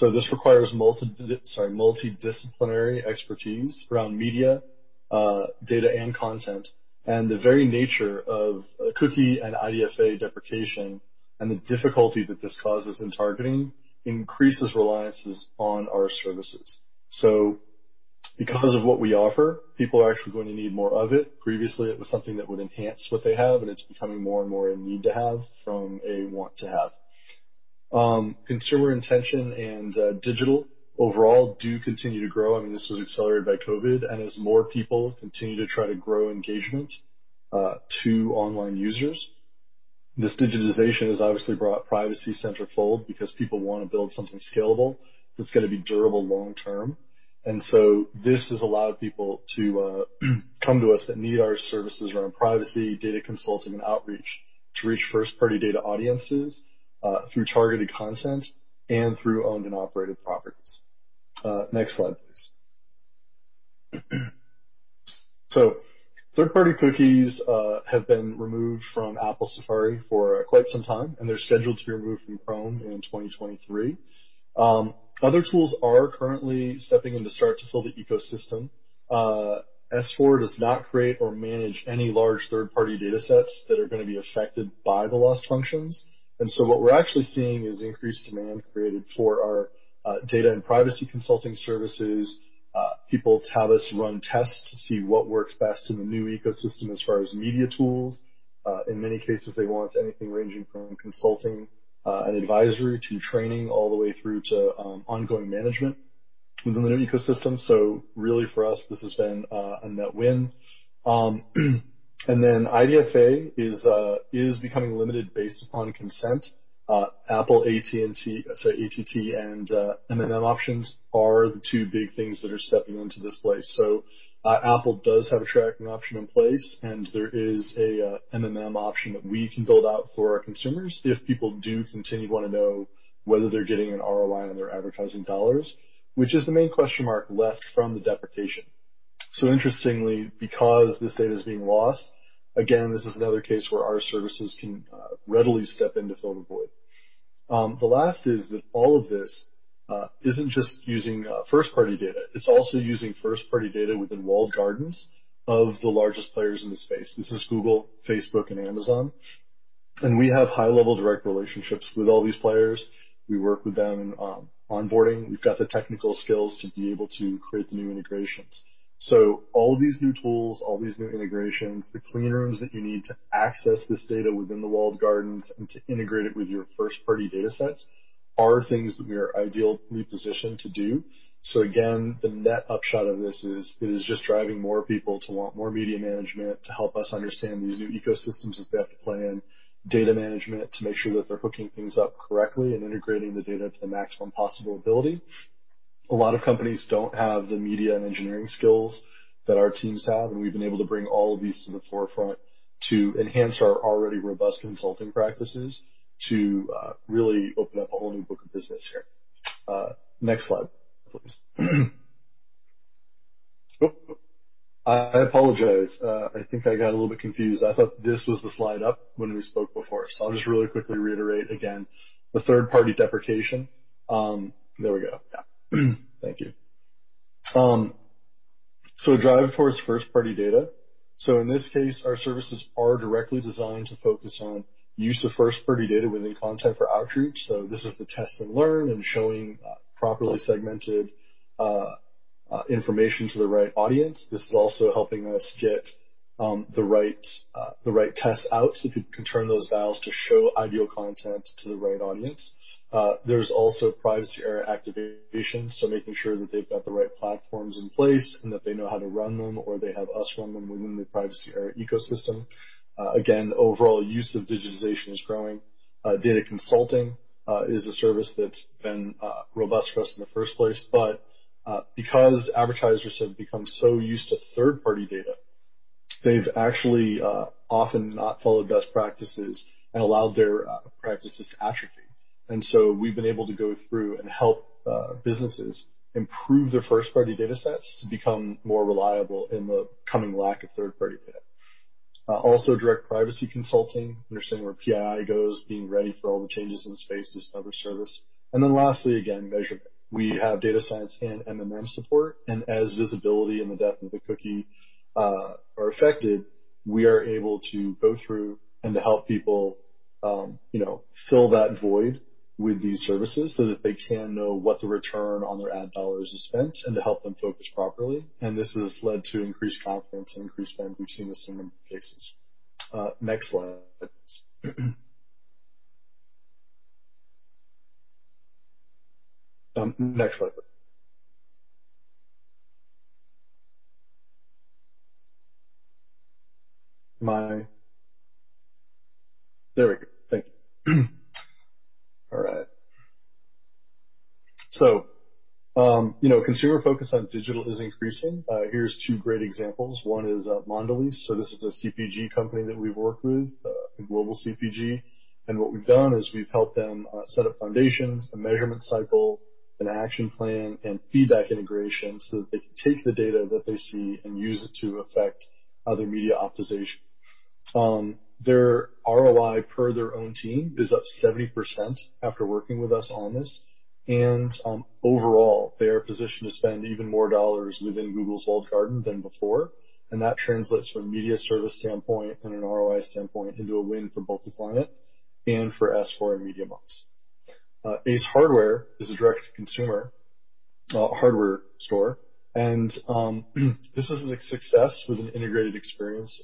This requires multidisciplinary expertise around media, data and content. The very nature of a cookie and IDFA deprecation and the difficulty that this causes in targeting increases reliance on our services. Because of what we offer, people are actually going to need more of it. Previously, it was something that would enhance what they have, and it's becoming more and more a need-to-have from a want-to-have. Consumer intention and digital overall do continue to grow. I mean, this was accelerated by COVID. As more people continue to try to grow engagement to online users, this digitization has obviously brought privacy-centric because people wanna build something scalable that's gonna be durable long term. This has allowed people to come to us that need our services around privacy, data consulting and outreach to reach first-party data audiences through targeted content and through owned and operated properties. Next slide, please. Third-party cookies have been removed from Apple Safari for quite some time, and they're scheduled to be removed from Chrome in 2023. Other tools are currently stepping in to start to fill the ecosystem. S4 does not create or manage any large third-party datasets that are gonna be affected by the loss functions. What we're actually seeing is increased demand created for our data and privacy consulting services. People have us run tests to see what works best in the new ecosystem as far as media tools. In many cases, they want anything ranging from consulting and advisory to training all the way through to ongoing management within the new ecosystem. Really for us, this has been a net win. IDFA is becoming limited based upon consent. Apple, ATT and MMM options are the two big things that are stepping into this place. Apple does have a tracking option in place, and there is a MMM option that we can build out for our consumers if people do continue to wanna know whether they're getting an ROI on their advertising dollars, which is the main question mark left from the deprecation. Interestingly, because this data is being lost, again, this is another case where our services can readily step in to fill the void. The last is that all of this isn't just using first-party data. It's also using first-party data within walled gardens of the largest players in the space. This is Google, Facebook and Amazon. We have high-level direct relationships with all these players. We work with them in onboarding. We've got the technical skills to be able to create the new integrations. All these new tools, all these new integrations, the clean rooms that you need to access this data within the walled gardens and to integrate it with your first-party datasets are things that we are ideally positioned to do. Again, the net upshot of this is it is just driving more people to want more media management to help us understand these new ecosystems that they have to play in, data management to make sure that they're hooking things up correctly and integrating the data to the maximum possible ability. A lot of companies don't have the media and engineering skills that our teams have, and we've been able to bring all of these to the forefront to enhance our already robust consulting practices to really open up a whole new book of business here. Next slide, please. I apologize. I think I got a little bit confused. I thought this was the slide up when we spoke before. I'll just really quickly reiterate again. The third-party deprecation. There we go. Drive towards first-party data. In this case, our services are directly designed to focus on use of first-party data within content for outreach. This is the test and learn and showing properly segmented information to the right audience. This is also helping us get the right test out, so we can turn those dials to show ideal content to the right audience. There's also privacy era activation, so making sure that they've got the right platforms in place and that they know how to run them or they have us run them within the privacy era ecosystem. Again, overall use of digitization is growing. Data consulting is a service that's been robust for us in the first place. Because advertisers have become so used to third-party data, they've actually often not followed best practices and allowed their practices to atrophy. We've been able to go through and help businesses improve their first-party datasets to become more reliable in the coming lack of third-party data. Also direct privacy consulting, understanding where PII goes, being ready for all the changes in the space is another service. Lastly, again, measurement. We have data science and MMM support, and as visibility and the depth of the cookie are affected, we are able to go through and to help people, you know, fill that void with these services so that they can know what the return on their ad dollars is spent and to help them focus properly. This has led to increased confidence and increased spend. We've seen this in many cases. You know, consumer focus on digital is increasing. Here's two great examples. One is Mondelez. This is a CPG company that we've worked with, a global CPG. What we've done is we've helped them set up foundations, a measurement cycle, an action plan, and feedback integration so that they can take the data that they see and use it to affect other media optimization. Their ROI per their own team is up 70% after working with us on this. Overall, they are positioned to spend even more dollars within Google's walled garden than before. That translates from a media service standpoint and an ROI standpoint into a win for both the client and for S4 and Media.Monks. Ace Hardware is a direct-to-consumer hardware store. This is a success with an integrated experience.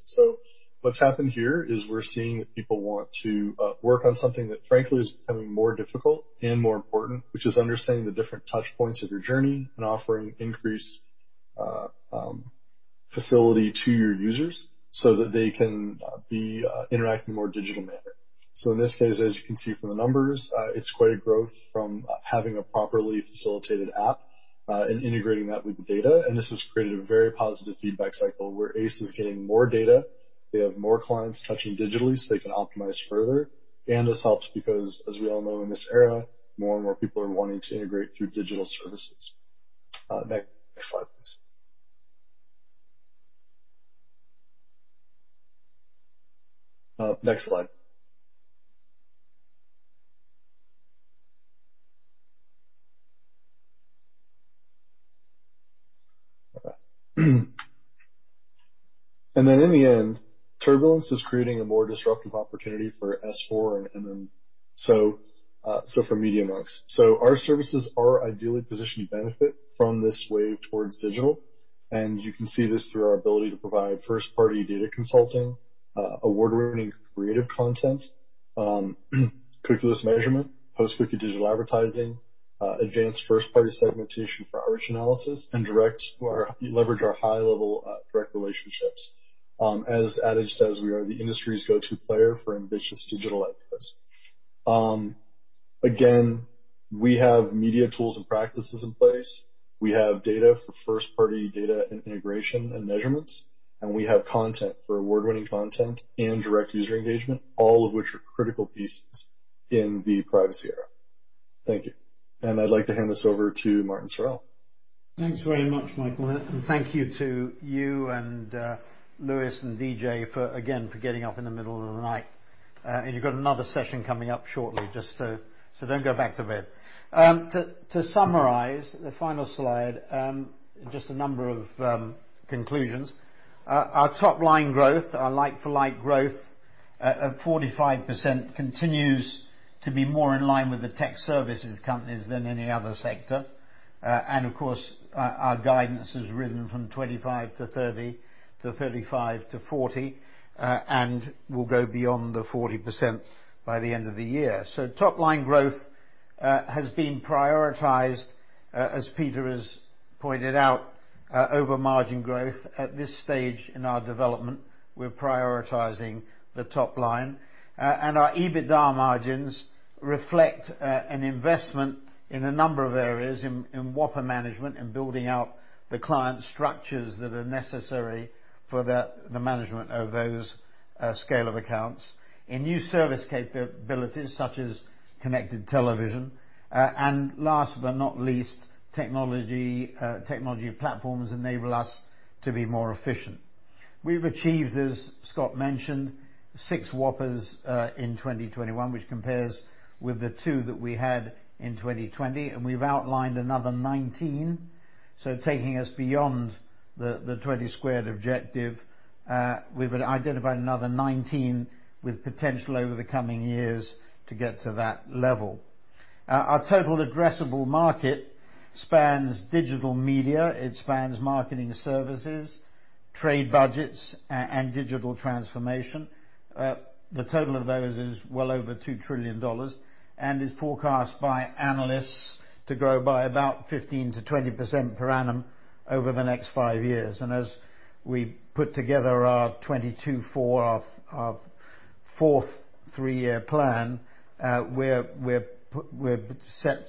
What's happened here is we're seeing that people want to work on something that frankly is becoming more difficult and more important, which is understanding the different touch points of your journey and offering increased facility to your users so that they can be interacting in a more digital manner. In this case, as you can see from the numbers, it's quite a growth from having a properly facilitated app and integrating that with the data. This has created a very positive feedback cycle where Ace is getting more data. They have more clients touching digitally, so they can optimize further. This helps because, as we all know in this era, more and more people are wanting to integrate through digital services. Next slide, please. All right. In the end, turbulence is creating a more disruptive opportunity for S4 and for Media.Monks. Our services are ideally positioned to benefit from this wave towards digital, and you can see this through our ability to provide first-party data consulting, award-winning creative content, cookieless measurement, post-cookie digital advertising, advanced first-party segmentation for outreach analysis, and direct or leverage our high-level direct relationships. As Ad Age says, we are the industry's go-to player for ambitious digital activations. Again, we have media tools and practices in place. We have data for first-party data integration and measurements, and we have content for award-winning content and direct user engagement, all of which are critical pieces in the privacy era. Thank you. I'd like to hand this over to Martin Sorrell. Thanks very much, Michael. Thank you to you and Lewis and DJ for again getting up in the middle of the night. You've got another session coming up shortly, so don't go back to bed. To summarize the final slide, just a number of conclusions. Our top line growth, our like-for-like growth at 45% continues to be more in line with the tech services companies than any other sector. Of course, our guidance has risen from 25 to 30 to 35 to 40 and will go beyond the 40% by the end of the year. Top line growth has been prioritized, as Peter has pointed out, over margin growth. At this stage in our development, we're prioritizing the top line. Our EBITDA margins reflect an investment in a number of areas, in whopper management and building out the client structures that are necessary for the management of those scale of accounts, in new service capabilities, such as connected television, and last but not least, technology platforms enable us to be more efficient. We've achieved, as Scott mentioned, six whoppers in 2021, which compares with the two that we had in 2020, and we've outlined another 19. Taking us beyond the 20 squared objective, we've identified another 19 with potential over the coming years to get to that level. Our total addressable market spans digital media, it spans marketing services, trade budgets, and digital transformation. The total of those is well over $2 trillion and is forecast by analysts to grow by about 15%-20% per annum over the next five years. As we put together our 2024, our fourth three-year plan, we're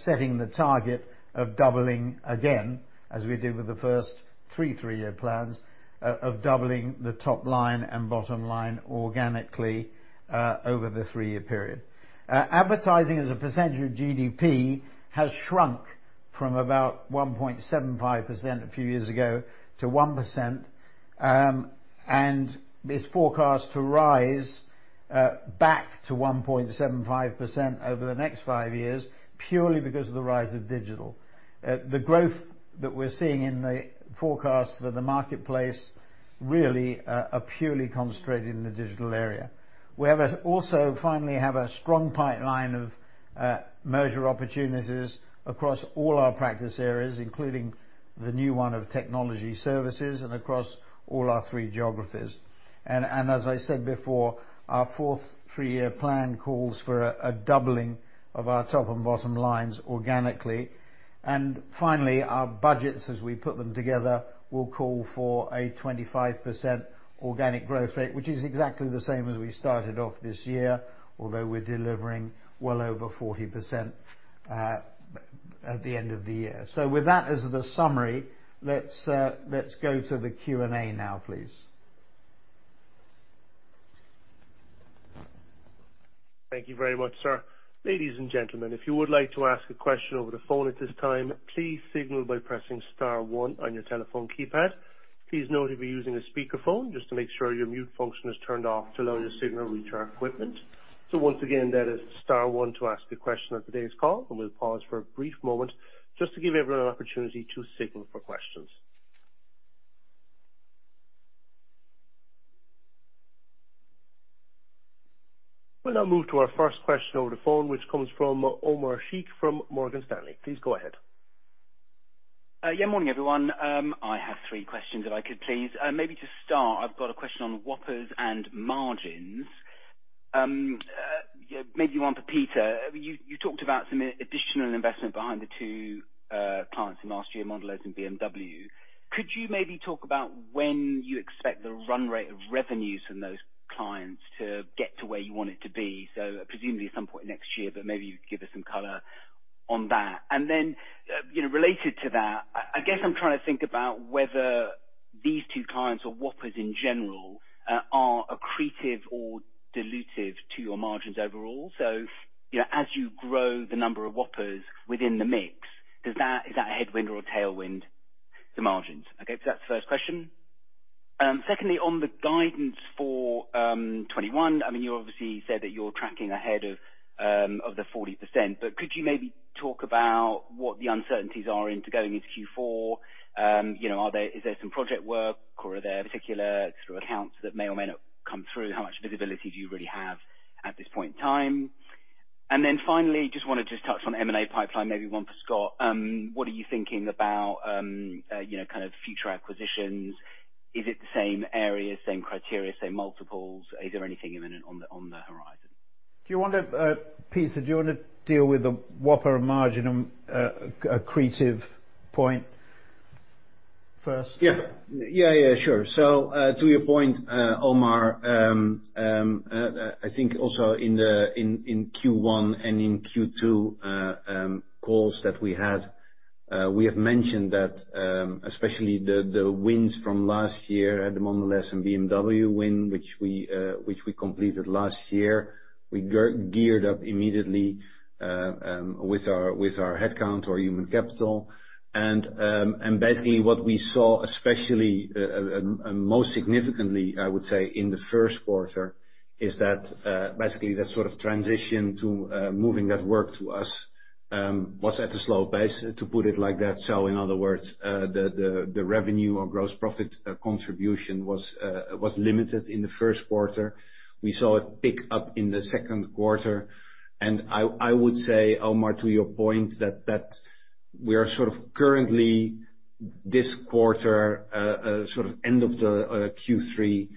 setting the target of doubling again, as we did with the first three three-year plans, doubling the top line and bottom line organically over the three-year period. Advertising as a percentage of GDP has shrunk from about 1.75% a few years ago to 1%, and it's forecast to rise back to 1.75% over the next 5 years, purely because of the rise of digital. The growth that we're seeing in the forecast for the marketplace really is purely concentrated in the digital area. We also finally have a strong pipeline of merger opportunities across all our practice areas, including the new one of Technology Services and across all our three geographies. As I said before, our fourth three-year plan calls for a doubling of our top and bottom lines organically. Finally, our budgets, as we put them together, will call for a 25% organic growth rate, which is exactly the same as we started off this year, although we're delivering well over 40% at the end of the year. With that as the summary, let's go to the Q&A now, please. Thank you very much, sir. Ladies and gentlemen, if you would like to ask a question over the phone at this time, please signal by pressing star one on your telephone keypad. Please note if you're using a speakerphone, just to make sure your mute function is turned off to allow your signal to reach our equipment. Once again, that is star one to ask a question on today's call, and we'll pause for a brief moment just to give everyone an opportunity to signal for questions. We'll now move to our first question over the phone, which comes from Omar Sheikh from Morgan Stanley. Please go ahead. Morning, everyone. I have three questions if I could, please. Maybe to start, I've got a question on whoppers and margins. Yeah, maybe one for Peter. You talked about some additional investment behind the two clients in last year, Mondelez and BMW. Could you maybe talk about when you expect the run rate of revenues from those clients to get to where you want it to be? Presumably at some point next year, but maybe you could give us some color on that. Then, you know, related to that, I guess I'm trying to think about whether these two clients or whoppers in general are accretive or dilutive to your margins overall. You know, as you grow the number of whoppers within the mix, is that a headwind or a tailwind to margins? That's the first question. Secondly, on the guidance for 2021, I mean, you obviously said that you're tracking ahead of the 40%. Could you maybe talk about what the uncertainties are into going into Q4? You know, is there some project work, or are there particular sort of accounts that may or may not come through? How much visibility do you really have at this point in time? Then finally, just wanted to touch on M&A pipeline, maybe one for Scott. What are you thinking about, you know, kind of future acquisitions? Is it the same areas, same criteria, same multiples? Is there anything imminent on the horizon? Do you want to, Peter, do you want to deal with the whopper and margin, accretive point first? Yeah, sure. To your point, Omar, I think also in the Q1 and Q2 calls that we had We have mentioned that, especially the wins from last year at Mondelēz and BMW win, which we completed last year, we geared up immediately with our headcount or human capital. Basically what we saw especially and most significantly, I would say, in the first quarter, is that basically that sort of transition to moving that work to us was at a slow pace, to put it like that. In other words, the revenue or gross profit contribution was limited in the first quarter. We saw a pick-up in the second quarter, and I would say, Omar, to your point, that we are sort of currently this quarter, sort of end of the Q3,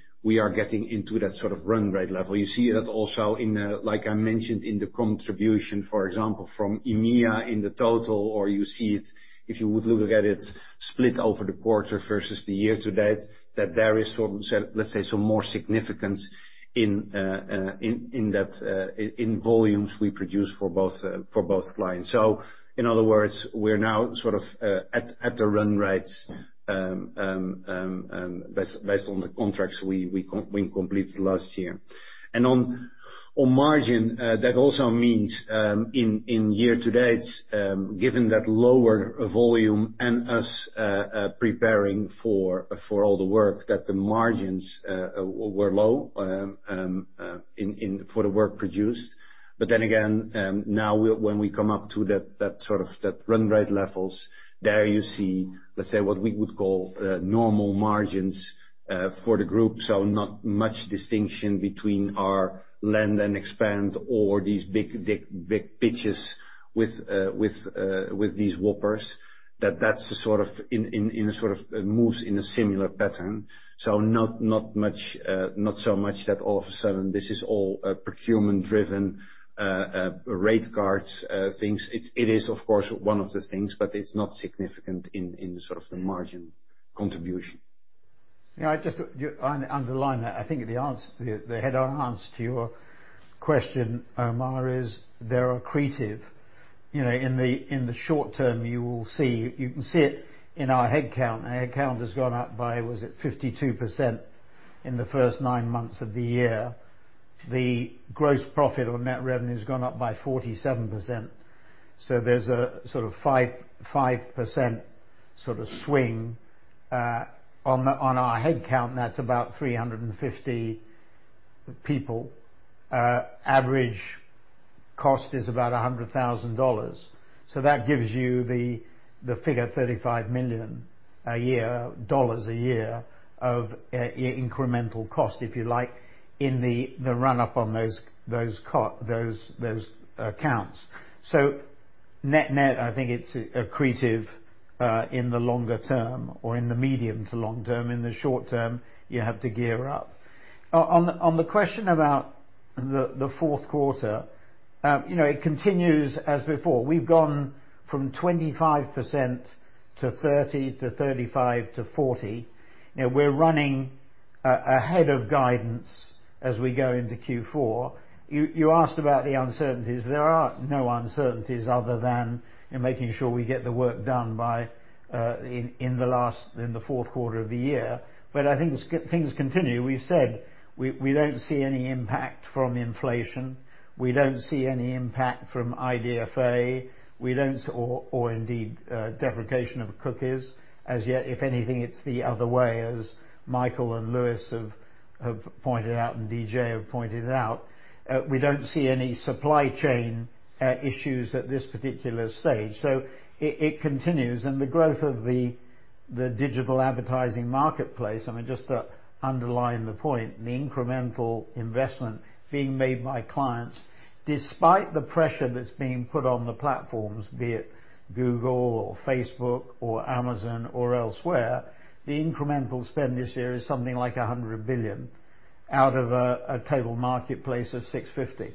getting into that sort of run rate level. You see that also in, like I mentioned, in the contribution, for example, from EMEA in the total, or you see it if you would look at it split over the quarter versus the year to date, that there is some, let's say, some more significance in the volumes we produce for both clients. In other words, we're now sort of at the run rates based on the contracts we completed last year. On margin, that also means in year-to-date, given that lower volume and us preparing for all the work that the margins were low in for the work produced. But then again, now we when we come up to that sort of that run rate levels, there you see, let's say, what we would call normal margins for the group. Not much distinction between our land and expand or these big pitches with these whoppers. That's the sort of in a sort of moves in a similar pattern. Not much, not so much that all of a sudden this is all procurement driven rate cards things. It is of course one of the things, but it's not significant in the sort of margin contribution. Yeah, just to underline that. I think the answer to the head-on answer to your question, Omar, is they're accretive. You know, in the short term, you can see it in our head count. Our head count has gone up by 52% in the first nine months of the year. The gross profit on net revenue has gone up by 47%. So there's a sort of 5% sort of swing. On our head count, that's about 350 people. Average cost is about $100,000. So that gives you the figure $35 million a year of incremental cost, if you like, in the run up on those accounts. Net, net, I think it's accretive in the longer term or in the medium to long term. In the short term, you have to gear up. On the question about the fourth quarter, you know, it continues as before. We've gone from 25% to 30% to 35% to 40%. You know, we're running ahead of guidance as we go into Q4. You asked about the uncertainties. There are no uncertainties other than in making sure we get the work done in the fourth quarter of the year. I think things continue. We've said we don't see any impact from inflation. We don't see any impact from IDFA. We don't see or indeed deprecation of cookies as yet. If anything, it's the other way, as Michael and Lewis have pointed out, and DJ have pointed out. We don't see any supply chain issues at this particular stage. It continues. The growth of the digital advertising marketplace, I mean, just to underline the point, the incremental investment being made by clients, despite the pressure that's being put on the platforms, be it Google or Facebook, or Amazon or elsewhere, the incremental spend this year is something like $100 billion out of a total marketplace of $650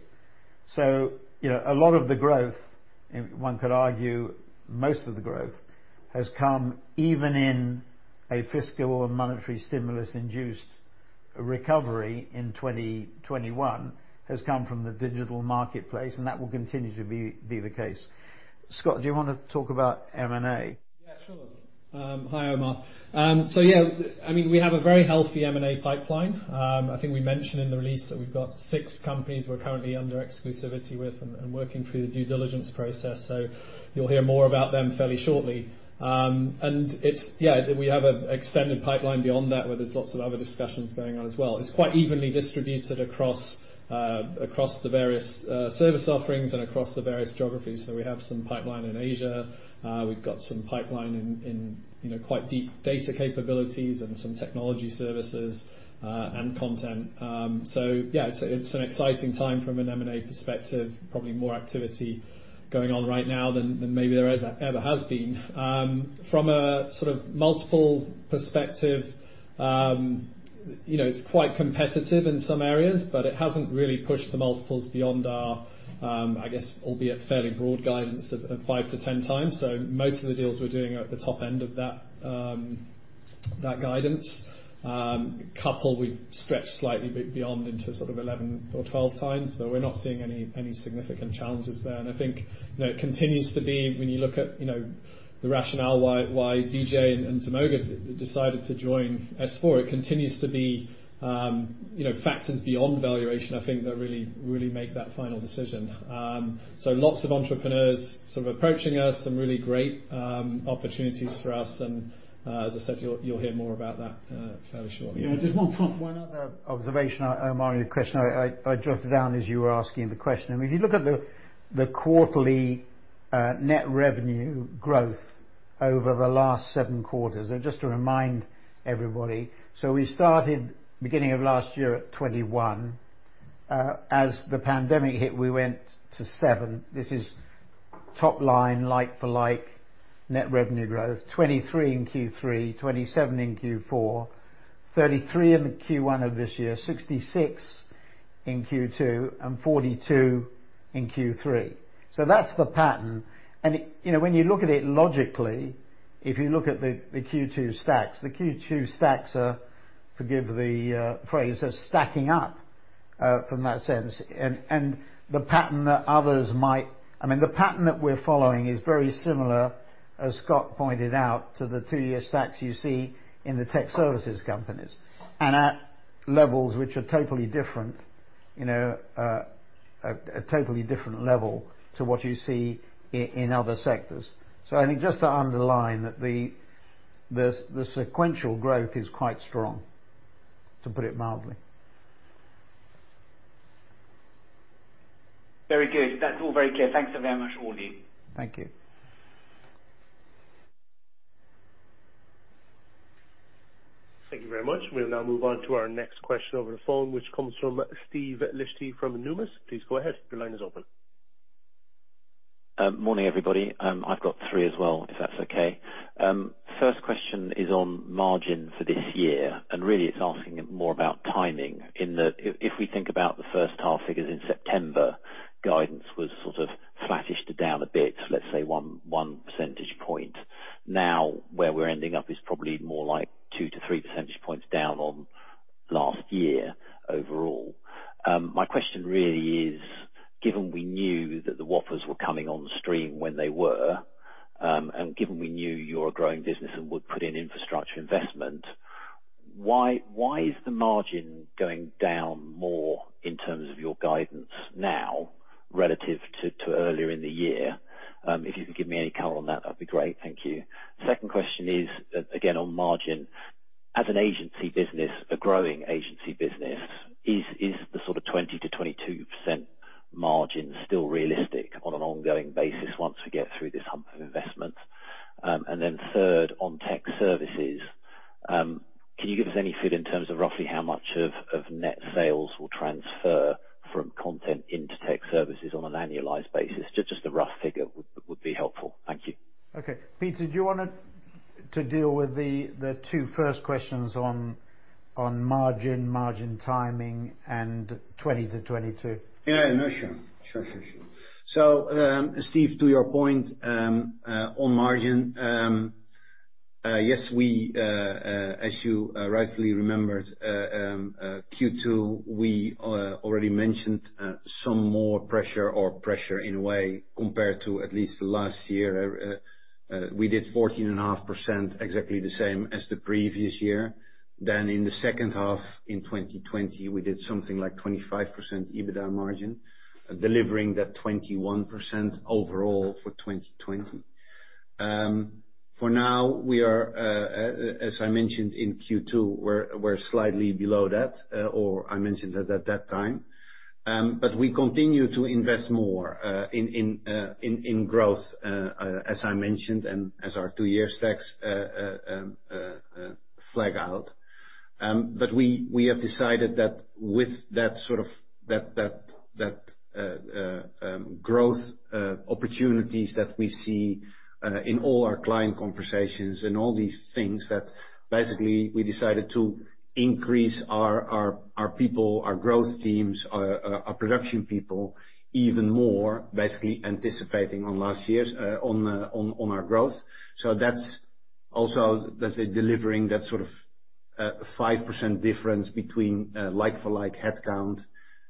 billion. You know, a lot of the growth, and one could argue most of the growth, has come even in a fiscal and monetary stimulus induced recovery in 2021, has come from the digital marketplace, and that will continue to be the case. Scott, do you wanna talk about M&A? Yeah, sure. Hi, Omar. Yeah, I mean, we have a very healthy M&A pipeline. I think we mentioned in the release that we've got 6 companies we're currently under exclusivity with and working through the due diligence process. You'll hear more about them fairly shortly. Yeah, we have an extended pipeline beyond that, where there's lots of other discussions going on as well. It's quite evenly distributed across the various service offerings and across the various geographies. We have some pipeline in Asia. We've got some pipeline in you know, quite deep data capabilities and some technology services and content. Yeah, it's an exciting time from an M&A perspective, probably more activity going on right now than maybe there has ever been. From a sort of multiple perspective, you know, it's quite competitive in some areas, but it hasn't really pushed the multiples beyond our, I guess, albeit fairly broad guidance of 5-10x. Most of the deals we're doing are at the top end of that guidance. A couple we've stretched slightly beyond into sort of 11 or 12x, but we're not seeing any significant challenges there. I think, you know, it continues to be when you look at, you know, the rationale why DJ and Zemoga decided to join S4, it continues to be, you know, factors beyond valuation, I think that really make that final decision. Lots of entrepreneurs sort of approaching us, some really great opportunities for us. As I said, you'll hear more about that fairly shortly. Yeah, just one point. One other observation, Omar, your question I jotted down as you were asking the question. I mean, if you look at the quarterly net revenue growth over the last seven quarters. Just to remind everybody, we started beginning of last year at 21%. As the pandemic hit, we went to 7%. This is top line, like-for-like net revenue growth. 23% in Q3, 27% in Q4, 33% in Q1 of this year, 66% in Q2, and 42% in Q3. That's the pattern. You know, when you look at it logically, if you look at the two-year stacks, the two-year stacks are, forgive the phrase, stacking up from that sense. The pattern that others might... I mean, the pattern that we're following is very similar, as Scott pointed out, to the two-year stacks you see in the tech services companies. At levels which are totally different, you know, a totally different level to what you see in other sectors. I think just to underline that the sequential growth is quite strong, to put it mildly. Very good. That's all very clear. Thanks so very much, all of you. Thank you. Thank you very much. We'll now move on to our next question over the phone, which comes from Steve Liechti from Numis. Please go ahead. Your line is open. Morning, everybody. I've got three as well, if that's okay. First question is on margin for this year, and really it's asking more about timing in that if we think about the first half figures in September, guidance was sort of flattish to down a bit, let's say 1 percentage point. Now where we're ending up is probably more like 2-3 percentage points down on last year overall. My question really is, given we knew that the whoppers were coming on stream when they were, and given we knew you're a growing business and would put in infrastructure investment, why is the margin going down more in terms of your guidance now relative to earlier in the year? If you could give me any color on that'd be great. Thank you. Second question is, again, on margin. As an agency business, a growing agency business, is the sort of 20%-22% margin still realistic on an ongoing basis once we get through this hump of investment? And then third, on tech services, can you give us any feedback in terms of roughly how much of net sales will transfer from content into tech services on an annualized basis? Just a rough figure would be helpful. Thank you. Okay. Peter, do you want to deal with the two first questions on margin timing and 20-22? Yeah, no, sure. Steve, to your point on margin, yes, as you rightfully remembered, Q2, we already mentioned some more pressure in a way compared to at least last year. We did 14.5%, exactly the same as the previous year. In the second half in 2020, we did something like 25% EBITDA margin, delivering that 21% overall for 2020. For now, we are as I mentioned in Q2, we're slightly below that, or I mentioned that at that time. We continue to invest more in growth, as I mentioned, and as our two-year stacks flag out. We have decided that with that sort of growth opportunities that we see in all our client conversations and all these things, that basically we decided to increase our people, our growth teams, our production people even more, basically anticipating our growth. That's also, let's say, delivering that sort of 5% difference between like-for-like headcount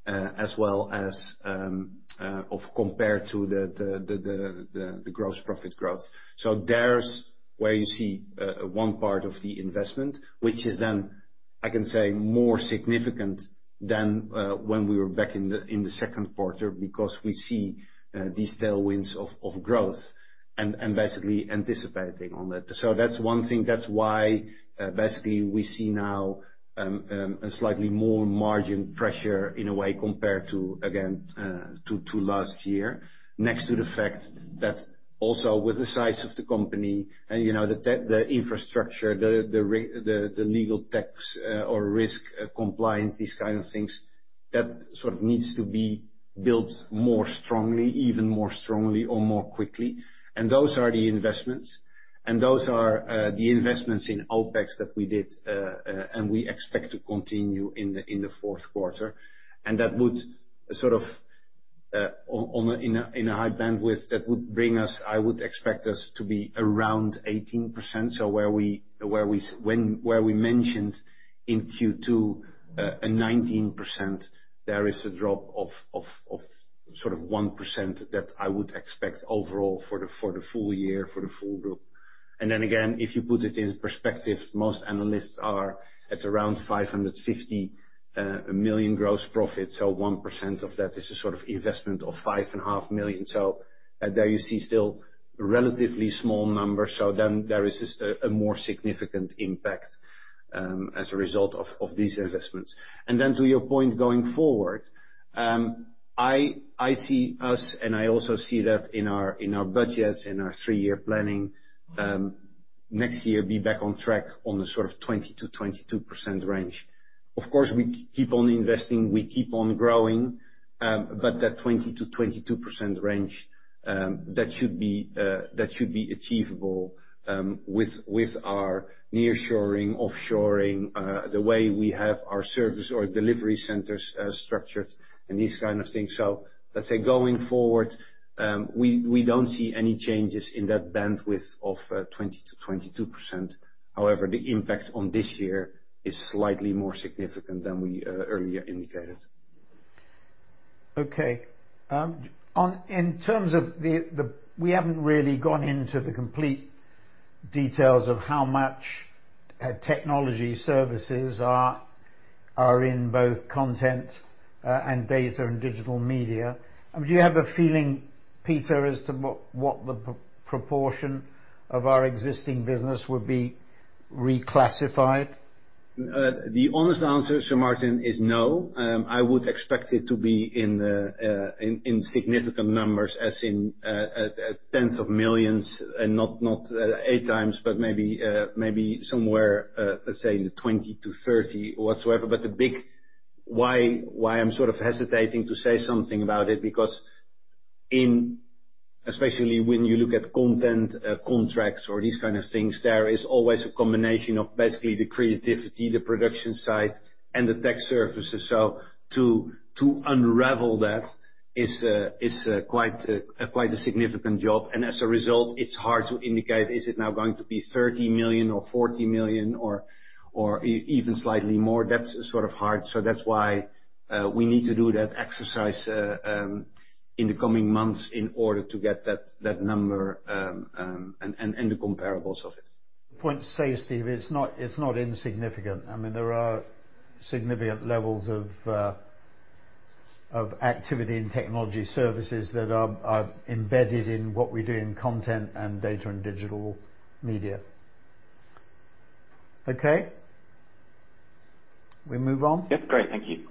and the gross profit growth. There's where you see one part of the investment, which is then, I can say, more significant than when we were back in the second quarter, because we see these tailwinds of growth and basically anticipating on that. That's one thing. That's why basically we see now a slightly more margin pressure in a way compared to again to last year. Next to the fact that also with the size of the company and you know the tech the infrastructure the legal tax or risk compliance these kind of things that sort of needs to be built more strongly even more strongly or more quickly. Those are the investments. Those are the investments in OpEx that we did and we expect to continue in the fourth quarter. That would sort of in a high bandwidth that would bring us. I would expect us to be around 18%. Where we mentioned in Q2 a 19%, there is a drop of sort of 1% that I would expect overall for the full year for the full group. If you put it in perspective, most analysts are at around 550 million gross profit. One percent of that is a sort of investment of 5.5 million. There you see still relatively small numbers. There is a more significant impact as a result of these investments. To your point going forward, I see us and I also see that in our budgets in our three-year planning next year be back on track on the sort of 20%-22% range. Of course, we keep on investing, we keep on growing, but that 20%-22% range, that should be achievable, with our nearshoring, offshoring, the way we have our service or delivery centers structured and these kind of things. Let's say going forward, we don't see any changes in that bandwidth of 20%-22%. However, the impact on this year is slightly more significant than we earlier indicated. Okay. In terms of the, we haven't really gone into the complete details of how much Technology Services are in both content and Data & Digital Media. Do you have a feeling, Peter, as to what the proportion of our existing business would be reclassified? The honest answer, Sir Martin, is no. I would expect it to be in significant numbers as in tens of millions and not 8 times, but maybe somewhere, let's say in the 20-30 whatsoever. The big why I'm sort of hesitating to say something about it is because, especially when you look at content contracts or these kind of things, there is always a combination of basically the creativity, the production side and the tech services. To unravel that is quite a significant job. As a result, it's hard to indicate is it now going to be 30 million or 40 million or even slightly more. That's sort of hard. That's why we need to do that exercise in the coming months in order to get that number and the comparables of it. The point to say, Steve, it's not insignificant. I mean, there are significant levels of activity in technology services that are embedded in what we do in content and data and digital media. Okay. We move on? Yep. Great. Thank you.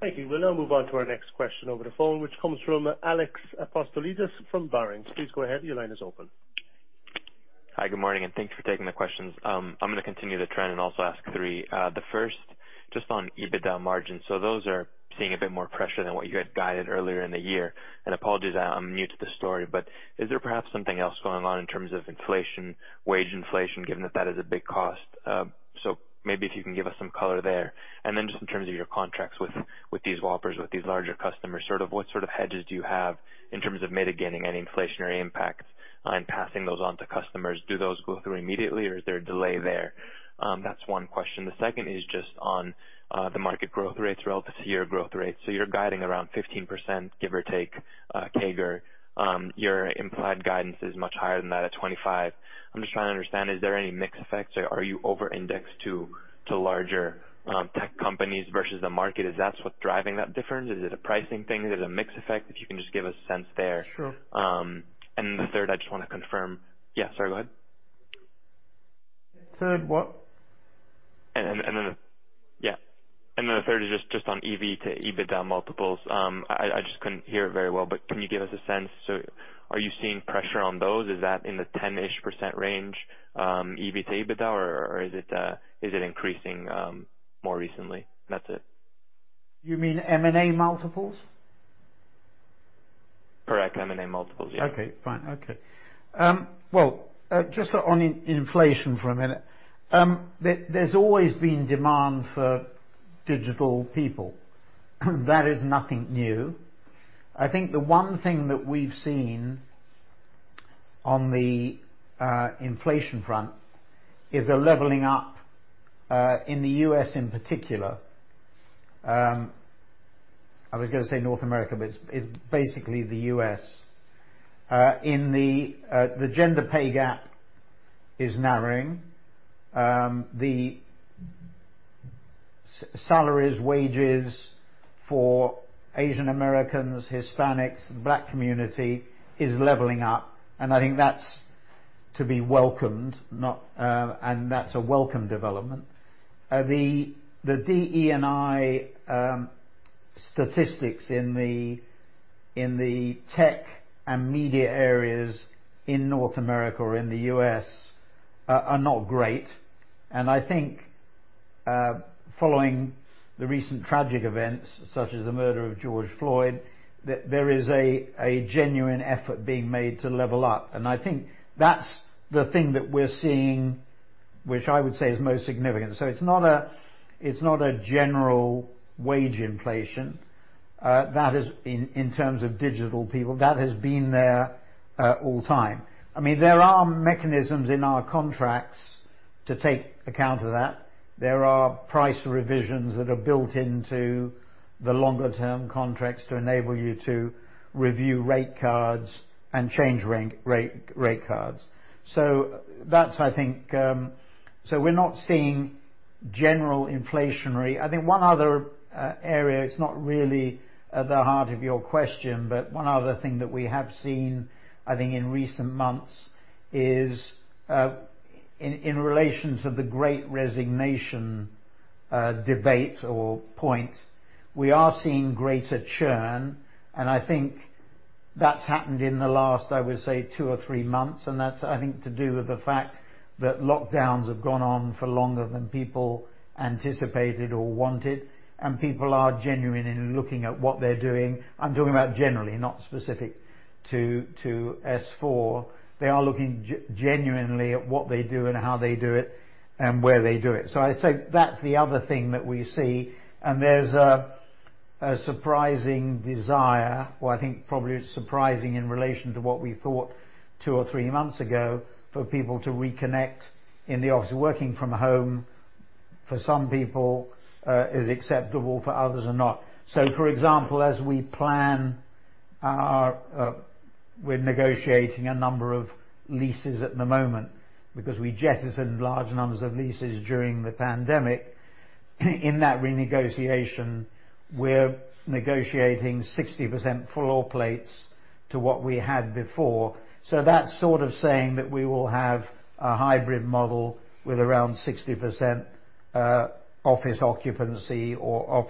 Thank you. We'll now move on to our next question over the phone, which comes from Alex Apostolides from Berenberg. Please go ahead. Your line is open. Hi, good morning, and thanks for taking the questions. I'm gonna continue the trend and also ask three. The first just on EBITDA margins. So those are seeing a bit more pressure than what you had guided earlier in the year. Apologies, I'm new to the story, but is there perhaps something else going on in terms of inflation, wage inflation, given that that is a big cost? So maybe if you can give us some color there. Then just in terms of your contracts with these whoppers, with these larger customers, sort of what sort of hedges do you have in terms of mitigating any inflationary impacts on passing those on to customers? Do those go through immediately or is there a delay there? That's one question. The second is just on the market growth rates relative to your growth rates. You're guiding around 15%, give or take, CAGR. Your implied guidance is much higher than that at 25. I'm just trying to understand, is there any mix effect? Are you over-indexed to larger tech companies versus the market? Is that what's driving that difference? Is it a pricing thing? Is it a mix effect? If you can just give a sense there. Sure. The third, I just wanna confirm. Yeah, sorry. Go ahead. Third what? The third is just on EV to EBITDA multiples. I just couldn't hear it very well, but can you give us a sense? Are you seeing pressure on those? Is that in the 10-ish% range, EV to EBITDA, or is it increasing more recently? That's it. You mean M&A multiples? Correct. M&A multiples. Yeah. Well, just on inflation for a minute. There's always been demand for digital people. That is nothing new. I think the one thing that we've seen on the inflation front is a leveling up in the U.S. in particular. I was gonna say North America, but it's basically the U.S. In the U.S., the gender pay gap is narrowing. The salaries, wages for Asian Americans, Hispanics, Black community is leveling up, and I think that's to be welcomed, and that's a welcome development. The DE&I statistics in the tech and media areas in North America or in the U.S. are not great. I think, following the recent tragic events, such as the murder of George Floyd, that there is a genuine effort being made to level up. I think that's the thing that we're seeing, which I would say is most significant. It's not a general wage inflation. That is in terms of digital people, that has been there all the time. I mean, there are mechanisms in our contracts to take account of that. There are price revisions that are built into the longer-term contracts to enable you to review rate cards and change rate cards. That's, I think. We're not seeing general inflation. I think one other area, it's not really at the heart of your question, but one other thing that we have seen, I think in recent months is, in relation to the great resignation debate or point, we are seeing greater churn, and I think that's happened in the last, I would say two or three months, and that's, I think, to do with the fact that lockdowns have gone on for longer than people anticipated or wanted, and people are genuine in looking at what they're doing. I'm talking about generally, not specific to S4. They are looking genuinely at what they do and how they do it and where they do it. I'd say that's the other thing that we see, and there's a surprising desire, or I think probably surprising in relation to what we thought two or three months ago, for people to reconnect in the office. Working from home, for some people, is acceptable, for others are not. For example, as we plan our. We're negotiating a number of leases at the moment because we jettisoned large numbers of leases during the pandemic. In that renegotiation, we're negotiating 60% floor plates to what we had before. That's sort of saying that we will have a hybrid model with around 60%, office occupancy or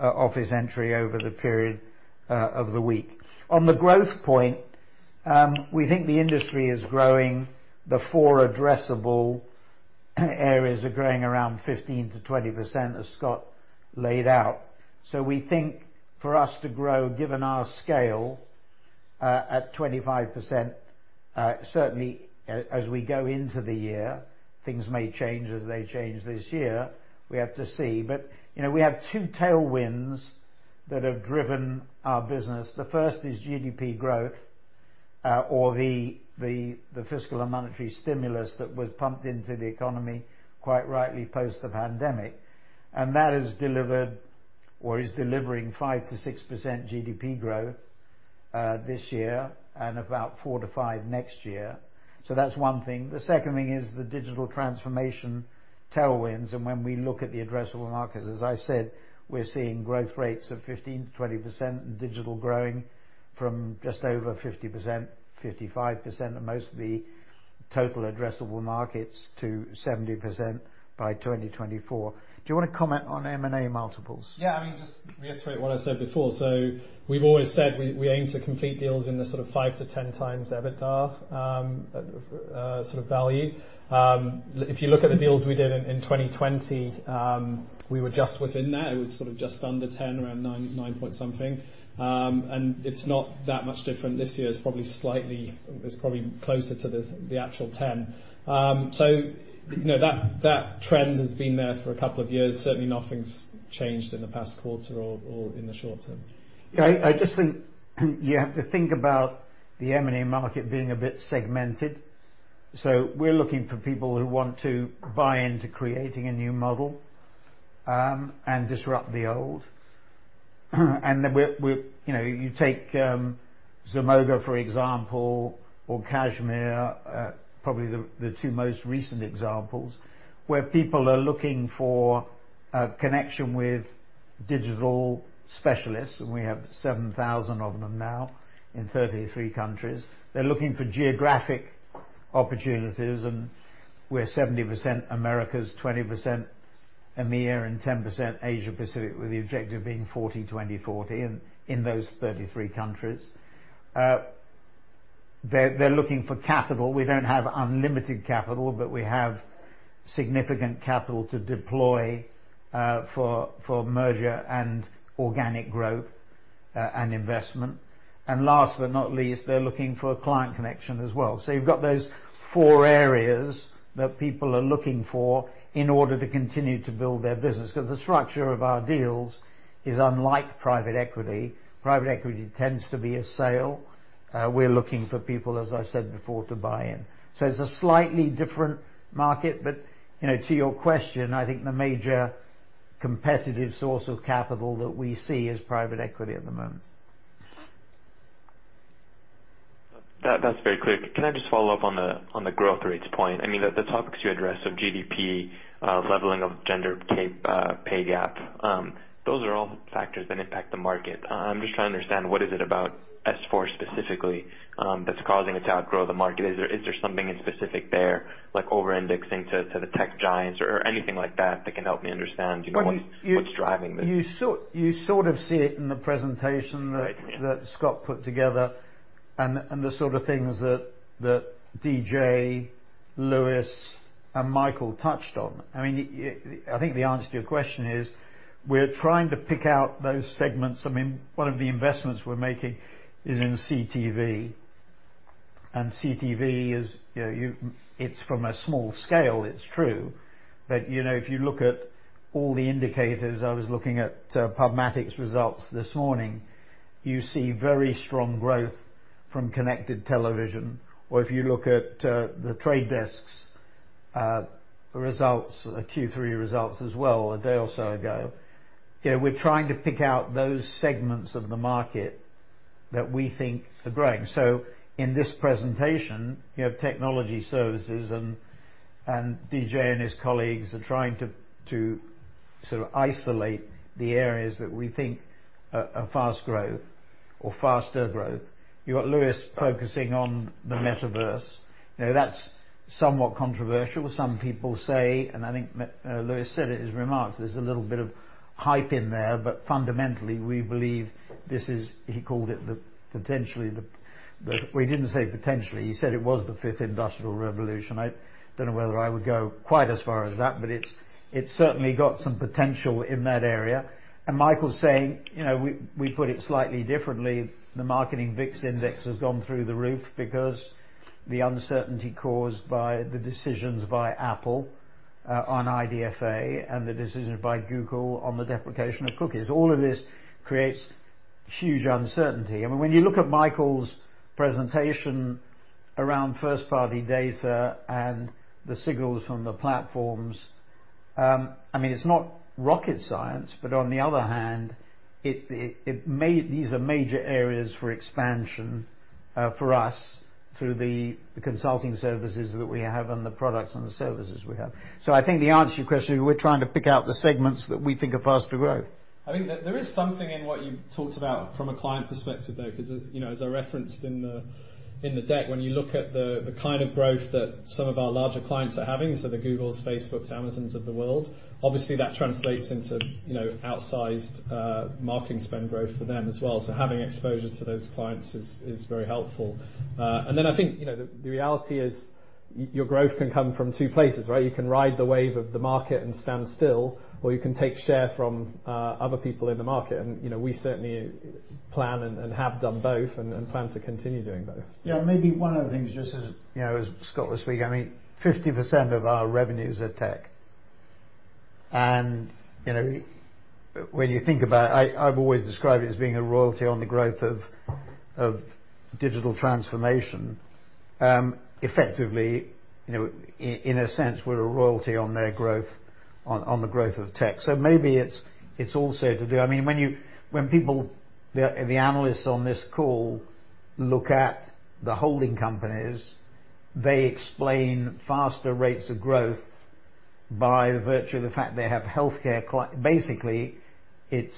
office entry over the period, of the week. On the growth point, we think the industry is growing. The four addressable areas are growing around 15%-20%, as Scott laid out. We think for us to grow, given our scale, at 25%, certainly as we go into the year, things may change as they change this year. We have to see. You know, we have two tailwinds that have driven our business. The first is GDP growth, or the fiscal and monetary stimulus that was pumped into the economy, quite rightly, post the pandemic. That has delivered or is delivering 5%-6% GDP growth this year and about 4%-5% next year. That's one thing. The second thing is the digital transformation tailwinds. When we look at the addressable markets, as I said, we're seeing growth rates of 15%-20% and digital growing from just over 50%, 55% of most of the total addressable markets to 70% by 2024. Do you wanna comment on M&A multiples? Yeah, I mean, just reiterate what I said before. We've always said we aim to complete deals in the sort of 5x-10x EBITDA, sort of value. If you look at the deals we did in 2020, we were just within that. It was sort of just under 10, around nine or something. And it's not that much different this year. It's probably slightly. It's probably closer to the actual 10. You know, that trend has been there for a couple of years. Certainly, nothing's changed in the past quarter or in the short term. Yeah, I just think you have to think about the M&A market being a bit segmented. We're looking for people who want to buy into creating a new model and disrupt the old. You know, you take Zemoga, for example, or Cashmere, probably the two most recent examples, where people are looking for a connection with digital specialists, and we have 7,000 of them now in 33 countries. They're looking for geographic opportunities, and we're 70% Americas, 20% EMEA, and 10% Asia-Pacific, with the objective being 40/20/40 in those 33 countries. They're looking for capital. We don't have unlimited capital, but we have significant capital to deploy for merger and organic growth and investment. Last but not least, they're looking for a client connection as well. You've got those four areas that people are looking for in order to continue to build their business. The structure of our deals is unlike private equity. Private equity tends to be a sale. We're looking for people, as I said before, to buy in. It's a slightly different market, but, you know, to your question, I think the major competitive source of capital that we see is private equity at the moment. That, that's very clear. Can I just follow up on the growth rates point? I mean, the topics you addressed of GDP, leveling of gender pay gap, those are all factors that impact the market. I'm just trying to understand what is it about S4 specifically, that's causing it to outgrow the market? Is there something specific there, like over-indexing to the tech giants or anything like that that can help me understand, you know, what's driving this? You sort of see it in the presentation. Right. Yeah.... that Scott put together and the sort of things that DJ, Lewis, and Michael touched on. I mean, I think the answer to your question is, we're trying to pick out those segments. I mean, one of the investments we're making is in CTV. CTV is, you know, it's from a small scale, it's true. You know, if you look at all the indicators, I was looking at PubMatic's results this morning, you see very strong growth from connected television. If you look at The Trade Desk's results, Q3 results as well a day or so ago. You know, we're trying to pick out those segments of the market that we think are growing. In this presentation, you have Technology Services and DJ and his colleagues are trying to sort of isolate the areas that we think are fast growth or faster growth. You've got Lewis focusing on the metaverse. You know, that's somewhat controversial. Some people say, and I think Lewis said it in his remarks, there's a little bit of hype in there, but fundamentally, we believe this is. He called it. Well he didn't say potentially, he said it was the fifth industrial revolution. I don't know whether I would go quite as far as that, but it's certainly got some potential in that area. Michael's saying, you know, we put it slightly differently. The Marketing VIX index has gone through the roof because the uncertainty caused by the decisions by Apple on IDFA and the decisions by Google on the deprecation of cookies. All of this creates huge uncertainty. I mean, when you look at Michael's presentation around first-party data and the signals from the platforms, I mean, it's not rocket science, but on the other hand, these are major areas for expansion for us through the consulting services that we have and the products and the services we have. I think the answer to your question is we're trying to pick out the segments that we think are faster growth. I think that there is something in what you talked about from a client perspective, though, 'cause, you know, as I referenced in the deck, when you look at the kind of growth that some of our larger clients are having, so the Googles, Facebooks, Amazons of the world, obviously that translates into, you know, outsized marketing spend growth for them as well. So having exposure to those clients is very helpful. Then I think, you know, the reality is your growth can come from two places, right? You can ride the wave of the market and stand still, or you can take share from other people in the market. You know, we certainly plan and have done both and plan to continue doing both. Yeah. Maybe one of the things, just as you know, as Scott was speaking, I mean, 50% of our revenues are tech. You know, when you think about it, I've always described it as being a royalty on the growth of digital transformation. Effectively, you know, in a sense, we're a royalty on their growth on the growth of tech. Maybe it also to do. I mean, when people, the analysts on this call look at the holding companies, they explain faster rates of growth by virtue of the fact they have healthcare clients. Basically, it's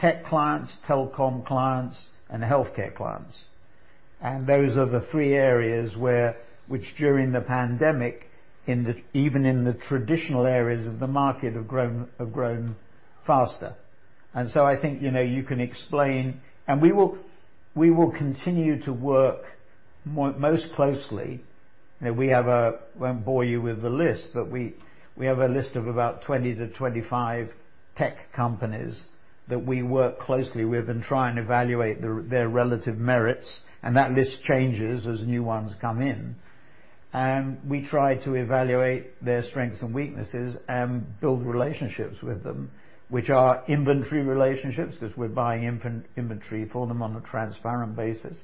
tech clients, telecom clients, and healthcare clients. Those are the three areas which during the pandemic, even in the traditional areas of the market, have grown faster. I think, you know, you can explain. We will continue to work most closely. You know, we have a. I won't bore you with the list, but we have a list of about 20-25 tech companies that we work closely with and try and evaluate their relative merits, and that list changes as new ones come in. We try to evaluate their strengths and weaknesses and build relationships with them, which are inventory relationships, 'cause we're buying inventory for them on a transparent basis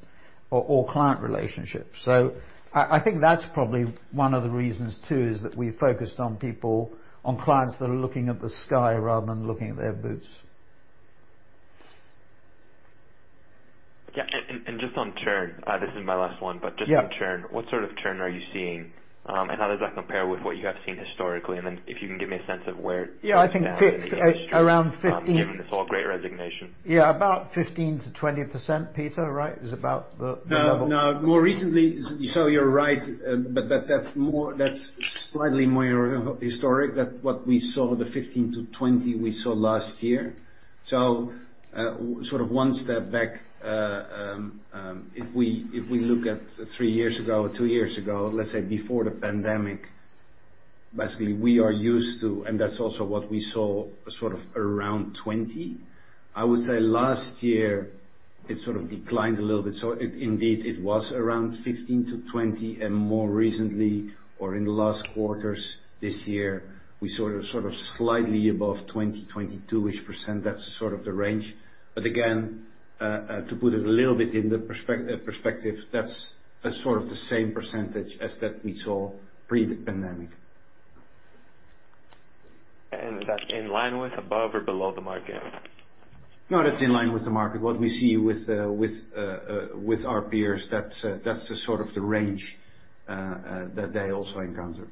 or client relationships. I think that's probably one of the reasons too, is that we focused on people, on clients that are looking at the sky rather than looking at their boots. Yeah. Just on churn, this is my last one, but just- Yeah. On churn. What sort of churn are you seeing? How does that compare with what you have seen historically? Then if you can give me a sense of where- Yeah. I think it's You are now in the industry. around 15 Given this whole great resignation. Yeah. About 15%-20%, Peter, right? Is about the level. No. More recently. You're right. That's slightly more historic than what we saw, the 15%-20% we saw last year. Sort of one step back, if we look at three years ago, two years ago, let's say before the pandemic, basically we are used to, and that's also what we saw sort of around 20%. I would say last year it sort of declined a little bit, so it indeed, it was around 15%-20%. More recently or in the last quarters this year, we sort of slightly above 20, 22-ish%. That's sort of the range. Again, to put it a little bit in perspective, that's sort of the same percentage as that we saw pre the pandemic. Is that in line with above or below the market? No, that's in line with the market. What we see with our peers, that's the sort of the range that they also encounter.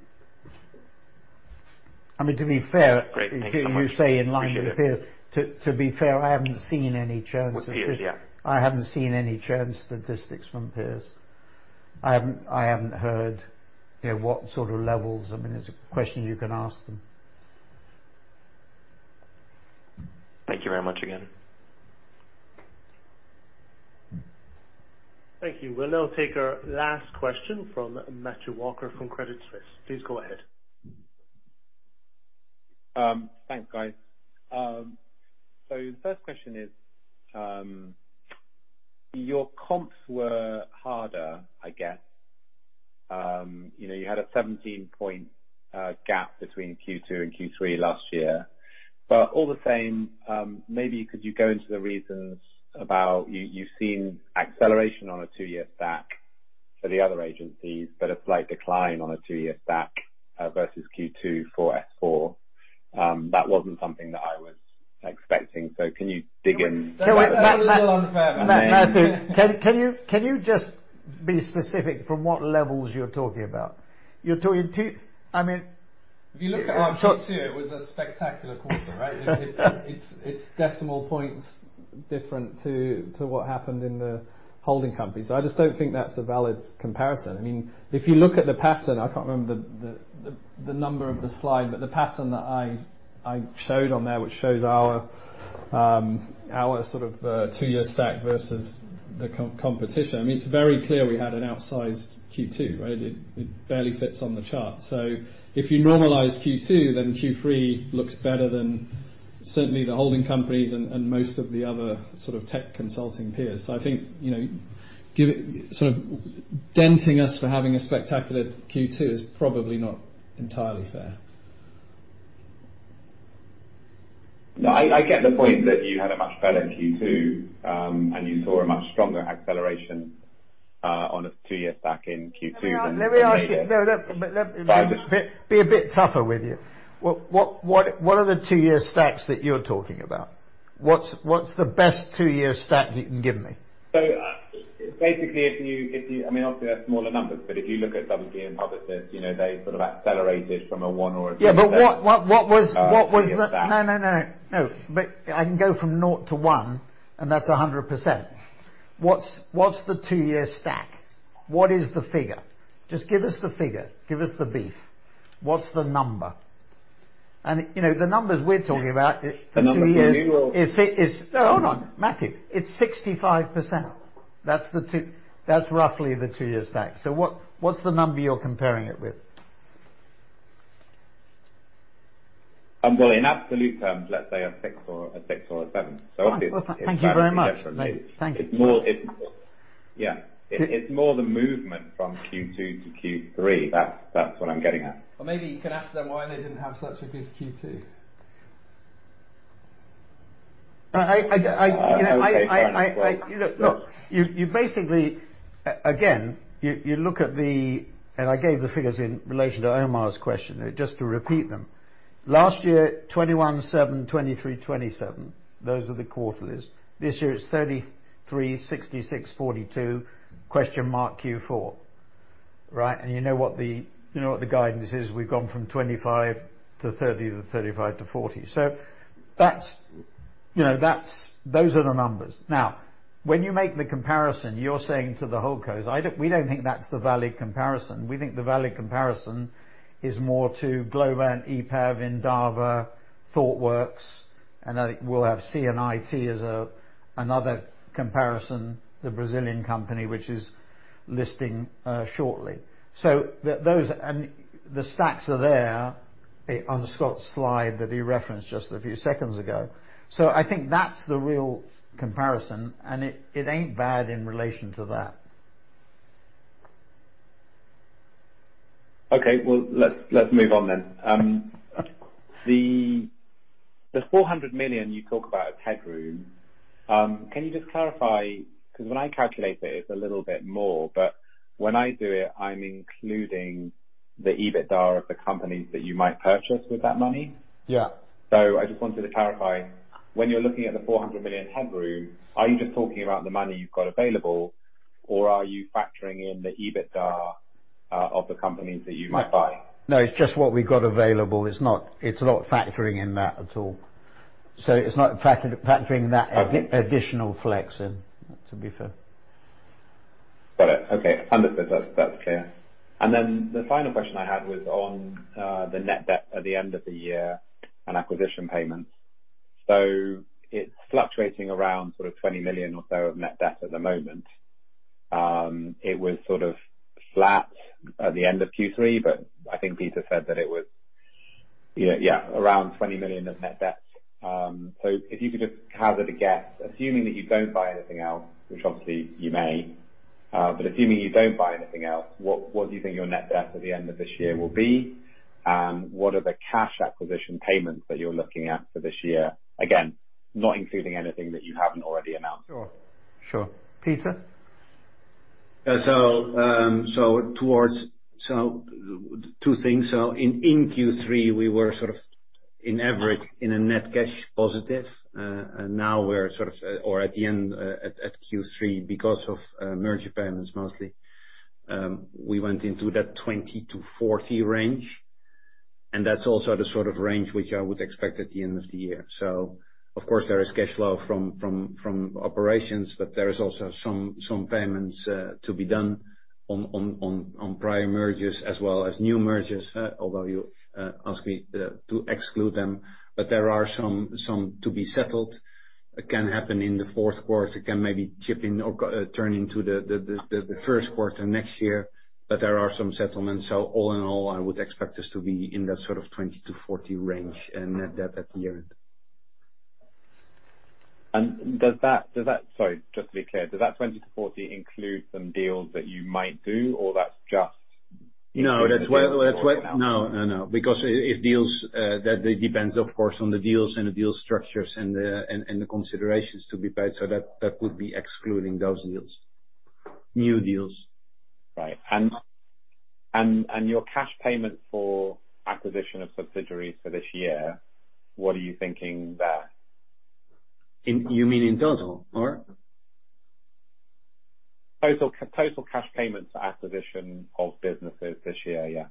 I mean, to be fair. Great. Thank you so much. You say in line with the peers. Appreciate it. To be fair, I haven't seen any churn statistics. With peers, yeah. I haven't seen any churn statistics from peers. I haven't heard, you know, what sort of levels. I mean, it's a question you can ask them. Thank you very much again. Thank you. We'll now take our last question from Matthew Walker from Credit Suisse. Please go ahead. Thanks, guys. So the first question is, your comps were harder, I guess. You know, you had a 17-point gap between Q2 and Q3 last year. All the same, maybe could you go into the reasons about you've seen acceleration on a two-year stack for the other agencies, but a slight decline on a two-year stack versus Q2 for S4. That wasn't something that I was expecting. Can you dig in- That was a little unfair. Matthew, can you just be specific from what levels you're talking about? You're talking two. I mean If you look at Q2, it was a spectacular quarter, right? It's decimal points different to what happened in the holding company. I just don't think that's a valid comparison. I mean, if you look at the pattern, I can't remember the number of the slide, but the pattern that I showed on there, which shows our sort of two-year stack versus the competition. I mean, it's very clear we had an outsized Q2, right? It barely fits on the chart. If you normalize Q2, then Q3 looks better than certainly the holding companies and most of the other sort of tech consulting peers. I think, you know, giving sort of denting us for having a spectacular Q2 is probably not entirely fair. No, I get the point that you had a much better Q2, and you saw a much stronger acceleration on a two-year stack in Q2 than later. Let me be a bit tougher with you. What are the two-year stacks that you're talking about? What's the best two-year stack that you can give me? Basically, I mean, obviously they're smaller numbers, but if you look at WPP and Publicis, you know, they sort of accelerated from a 1% or a 2- Yeah, what was the- Two-year stack. No, no. No. I can go from naught to one, and that's 100%. What's the two-year stack? What is the figure? Just give us the figure. Give us the beef. What's the number? You know, the numbers we're talking about. The number for me or. 2 years is No. Hold on, Matthew. It's 65%. That's roughly the two-year stack. What's the number you're comparing it with? Well, in absolute terms, let's say a 6 or a 7. All right. Well, thank you very much. Thank you. It's more. Yeah. It's more the movement from Q2 to Q3. That's what I'm getting at. Maybe you can ask them why they didn't have such a good Q2. I, you know, I Okay, fine. Look, you basically again, you look at the. I gave the figures in relation to Omar's question, just to repeat them. Last year, 21.7%, 23%, 27%. Those are the quarterlies. This year, it's 33%, 66%, 42%, question mark Q4. Right? You know what the guidance is. We've gone from 25% to 30% to 35% to 40%. So that's, you know, those are the numbers. Now, when you make the comparison, you're saying to the whole class. We don't think that's the valid comparison. We think the valid comparison is more to Globant, EPAM, Endava, Thoughtworks, and I think we'll have CI&T as another comparison, the Brazilian company, which is listing shortly. So those and the stacks are there on Scott's slide that he referenced just a few seconds ago. I think that's the real comparison, and it ain't bad in relation to that. Okay, well, let's move on then. The 400 million you talk about as headroom, can you just clarify? 'Cause when I calculate it's a little bit more, but when I do it, I'm including the EBITDA of the companies that you might purchase with that money. Yeah. I just wanted to clarify, when you're looking at the 400 million headroom, are you just talking about the money you've got available, or are you factoring in the EBITDA of the companies that you might buy? No, it's just what we've got available. It's not factoring in that at all. It's not factoring that additional flex in, to be fair. Got it. Okay. Understood. That's clear. Then the final question I had was on the net debt at the end of the year and acquisition payments. It's fluctuating around sort of 20 million or so of net debt at the moment. It was sort of flat at the end of Q3, but I think Peter said that it was, you know, yeah, around 20 million of net debt. If you could just hazard a guess, assuming that you don't buy anything else, which obviously you may, but assuming you don't buy anything else, what do you think your net debt at the end of this year will be? And what are the cash acquisition payments that you're looking at for this year? Again, not including anything that you haven't already announced. Sure, sure. Peter? Two things. In Q3, we were on average in a net cash positive. At the end of Q3, because of merger payments mostly, we went into that 20-40 range, and that's also the sort of range which I would expect at the end of the year. Of course, there is cash flow from operations, but there is also some payments to be done on prior mergers as well as new mergers, although you asked me to exclude them. There are some to be settled. It can happen in the fourth quarter, it can maybe turn into the first quarter next year. There are some settlements. All in all, I would expect us to be in that sort of 20-40 range, and net debt at the end. Sorry, just to be clear, does that 20-40 include some deals that you might do, or that's just- No, that's why. No, no. Because if deals, that depends, of course, on the deals and the deal structures and the considerations to be paid. That would be excluding those deals. New deals. Right. Your cash payment for acquisition of subsidiaries for this year, what are you thinking there? You mean in total, or? Total cash payments for acquisition of businesses this year, yeah.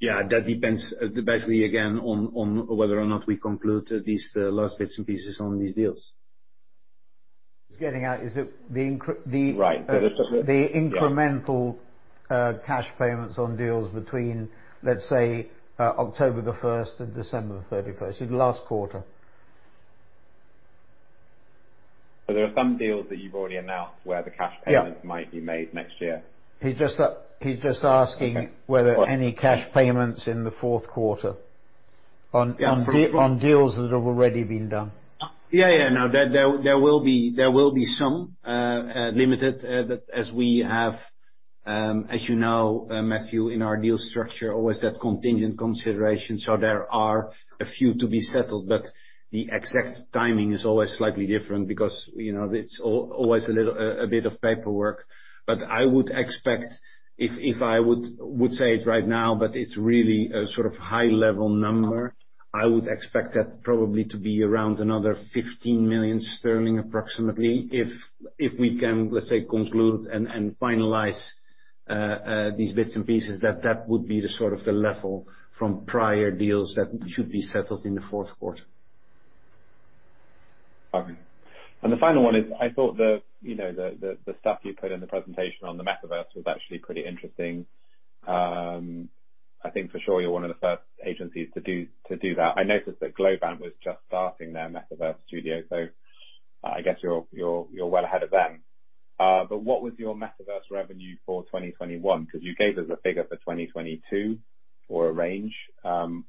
Yeah, that depends, basically again on whether or not we conclude these last bits and pieces on these deals. He's getting at is it the Right. The incremental- Yeah Cash payments on deals between, let's say, October 1st and December 31st. So the last quarter. There are some deals that you've already announced where the cash payments. Yeah might be made next year. He's just asking. Okay... whether any cash payments in the fourth quarter on de- Yeah on deals that have already been done. Yeah, yeah. No, there will be some limited, but as we have, as you know, Matthew, in our deal structure always that contingent consideration. So there are a few to be settled, but the exact timing is always slightly different because, you know, it's always a little bit of paperwork. But I would expect if I would say it right now, but it's really a sort of high level number. I would expect that probably to be around another 15 million sterling approximately if we can, let's say, conclude and finalize these bits and pieces, that would be the sort of the level from prior deals that should be settled in the fourth quarter. Okay. The final one is, I thought the stuff you put in the presentation on the metaverse was actually pretty interesting. I think for sure you're one of the first agencies to do that. I noticed that Globant was just starting their metaverse studio, so I guess you're well ahead of them. What was your metaverse revenue for 2021? Because you gave us a figure for 2022 for a range.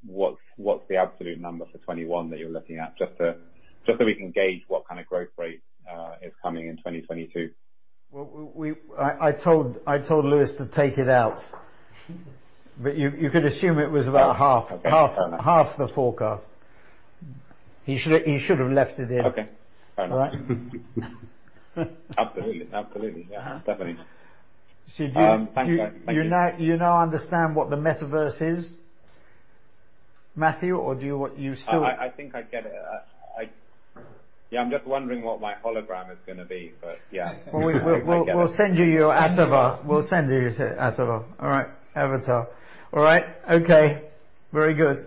What's the absolute number for 2021 that you're looking at? Just so we can gauge what kind of growth rate is coming in 2022. Well, I told Lewis to take it out. You could assume it was about half. Okay. Fair enough. Half the forecast. He should've left it in. Okay. Fair enough. All right. Absolutely. Yeah. Definitely. Do you- Thank you. Thank you You now understand what the metaverse is, Matthew, or do you want? You still I think I get it. Yeah, I'm just wondering what my hologram is gonna be, but yeah. I get it. Well, we'll send you your avatar. We'll send you your avatar. All right. Avatar. All right. Okay. Very good.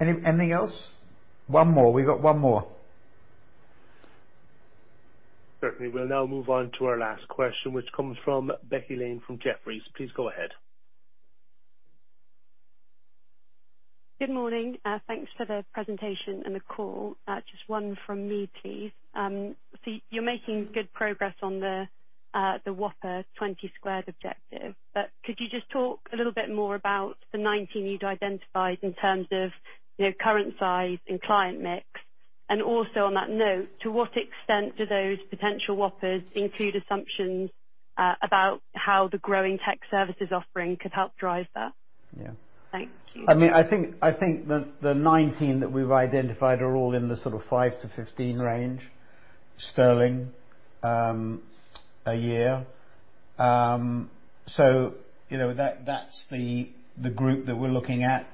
Anything else? One more. We've got one more. Certainly. We'll now move on to our last question, which comes from Becky Lane from Jefferies. Please go ahead. Good morning. Thanks for the presentation and the call. Just one from me, please. You're making good progress on the whopper 20 squared objective. Could you just talk a little bit more about the 19 you'd identified in terms of, you know, current size and client mix? Also on that note, to what extent do those potential whoppers include assumptions about how the growing Technology Services offering could help drive that? Yeah. Thank you. I mean, I think the 19 that we've identified are all in the sort of 5-15 range sterling a year. You know, that's the group that we're looking at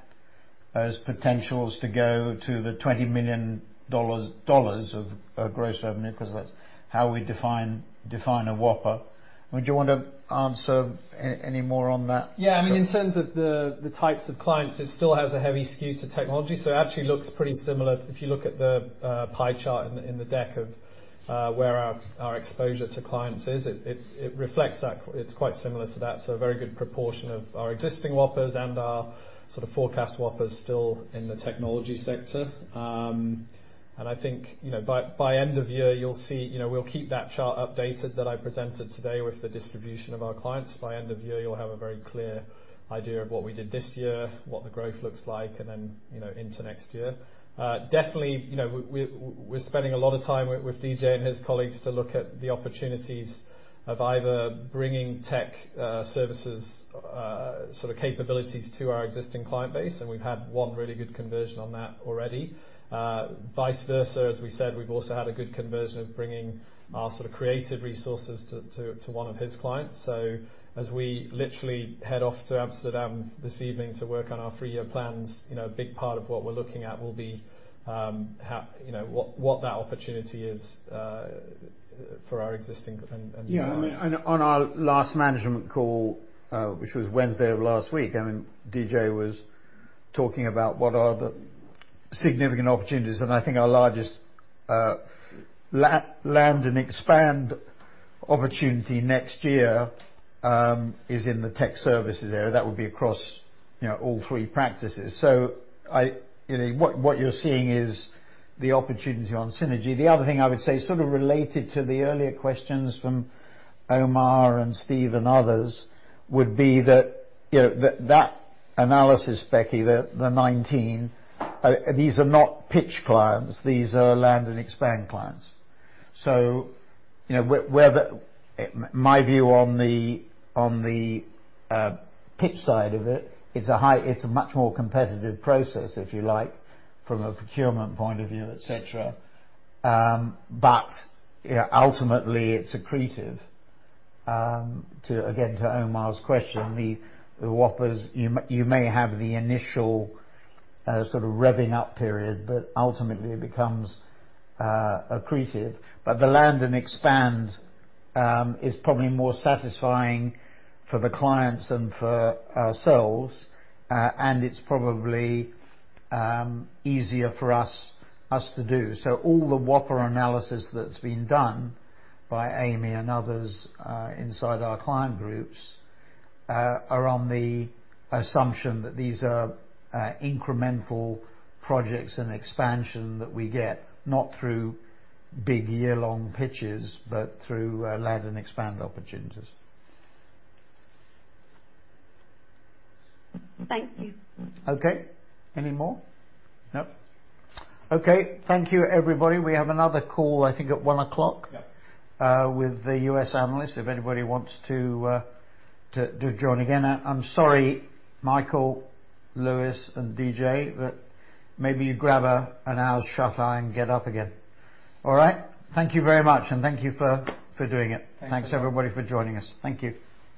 as potentials to go to the $20 million of gross revenue, 'cause that's how we define a whopper. Would you want to answer any more on that? Yeah. I mean, in terms of the types of clients, it still has a heavy skew to technology, so it actually looks pretty similar. If you look at the pie chart in the deck of where our exposure to clients is, it reflects that. It's quite similar to that. A very good proportion of our existing whoppers and our sort of forecast whoppers still in the technology sector. I think, you know, by end of year, you'll see, you know, we'll keep that chart updated that I presented today with the distribution of our clients. By end of year, you'll have a very clear idea of what we did this year, what the growth looks like, and then, you know, into next year. Definitely, you know, we're spending a lot of time with DJ and his colleagues to look at the opportunities of either bringing tech services sort of capabilities to our existing client base, and we've had one really good conversion on that already. Vice versa, as we said, we've also had a good conversion of bringing our sort of creative resources to one of his clients. As we literally head off to Amsterdam this evening to work on our three-year plans, you know, a big part of what we're looking at will be how, you know, what that opportunity is for our existing and new clients. I mean, on our last management call, which was Wednesday of last week, I mean, DJ was talking about what are the significant opportunities, and I think our largest land and expand opportunity next year is in the Technology Services area. That would be across, you know, all three practices. You know, what you're seeing is the opportunity on synergy. The other thing I would say sort of related to the earlier questions from Omar and Steve and others would be that, you know, that analysis, Becky, the 19, these are not pitch clients. These are land and expand clients. You know, my view on the pitch side of it's a much more competitive process, if you like, from a procurement point of view, et cetera. You know, ultimately, it's accretive to, again, to Omar's question. The whoppers, you may have the initial sort of revving up period, but ultimately it becomes accretive. The land and expand is probably more satisfying for the clients and for ourselves, and it's probably easier for us to do. All the whopper analysis that's been done by Amy and others inside our client groups are on the assumption that these are incremental projects and expansion that we get, not through big year-long pitches, but through land and expand opportunities. Thank you. Okay. Any more? No. Okay. Thank you, everybody. We have another call, I think, at 1:00 P.M. Yeah With the U.S. analysts, if anybody wants to join again. I'm sorry, Michael, Lewis, and DJ, but maybe you grab an hour's shuteye and get up again. All right. Thank you very much, and thank you for doing it. Thanks, everyone. Thanks, everybody, for joining us. Thank you.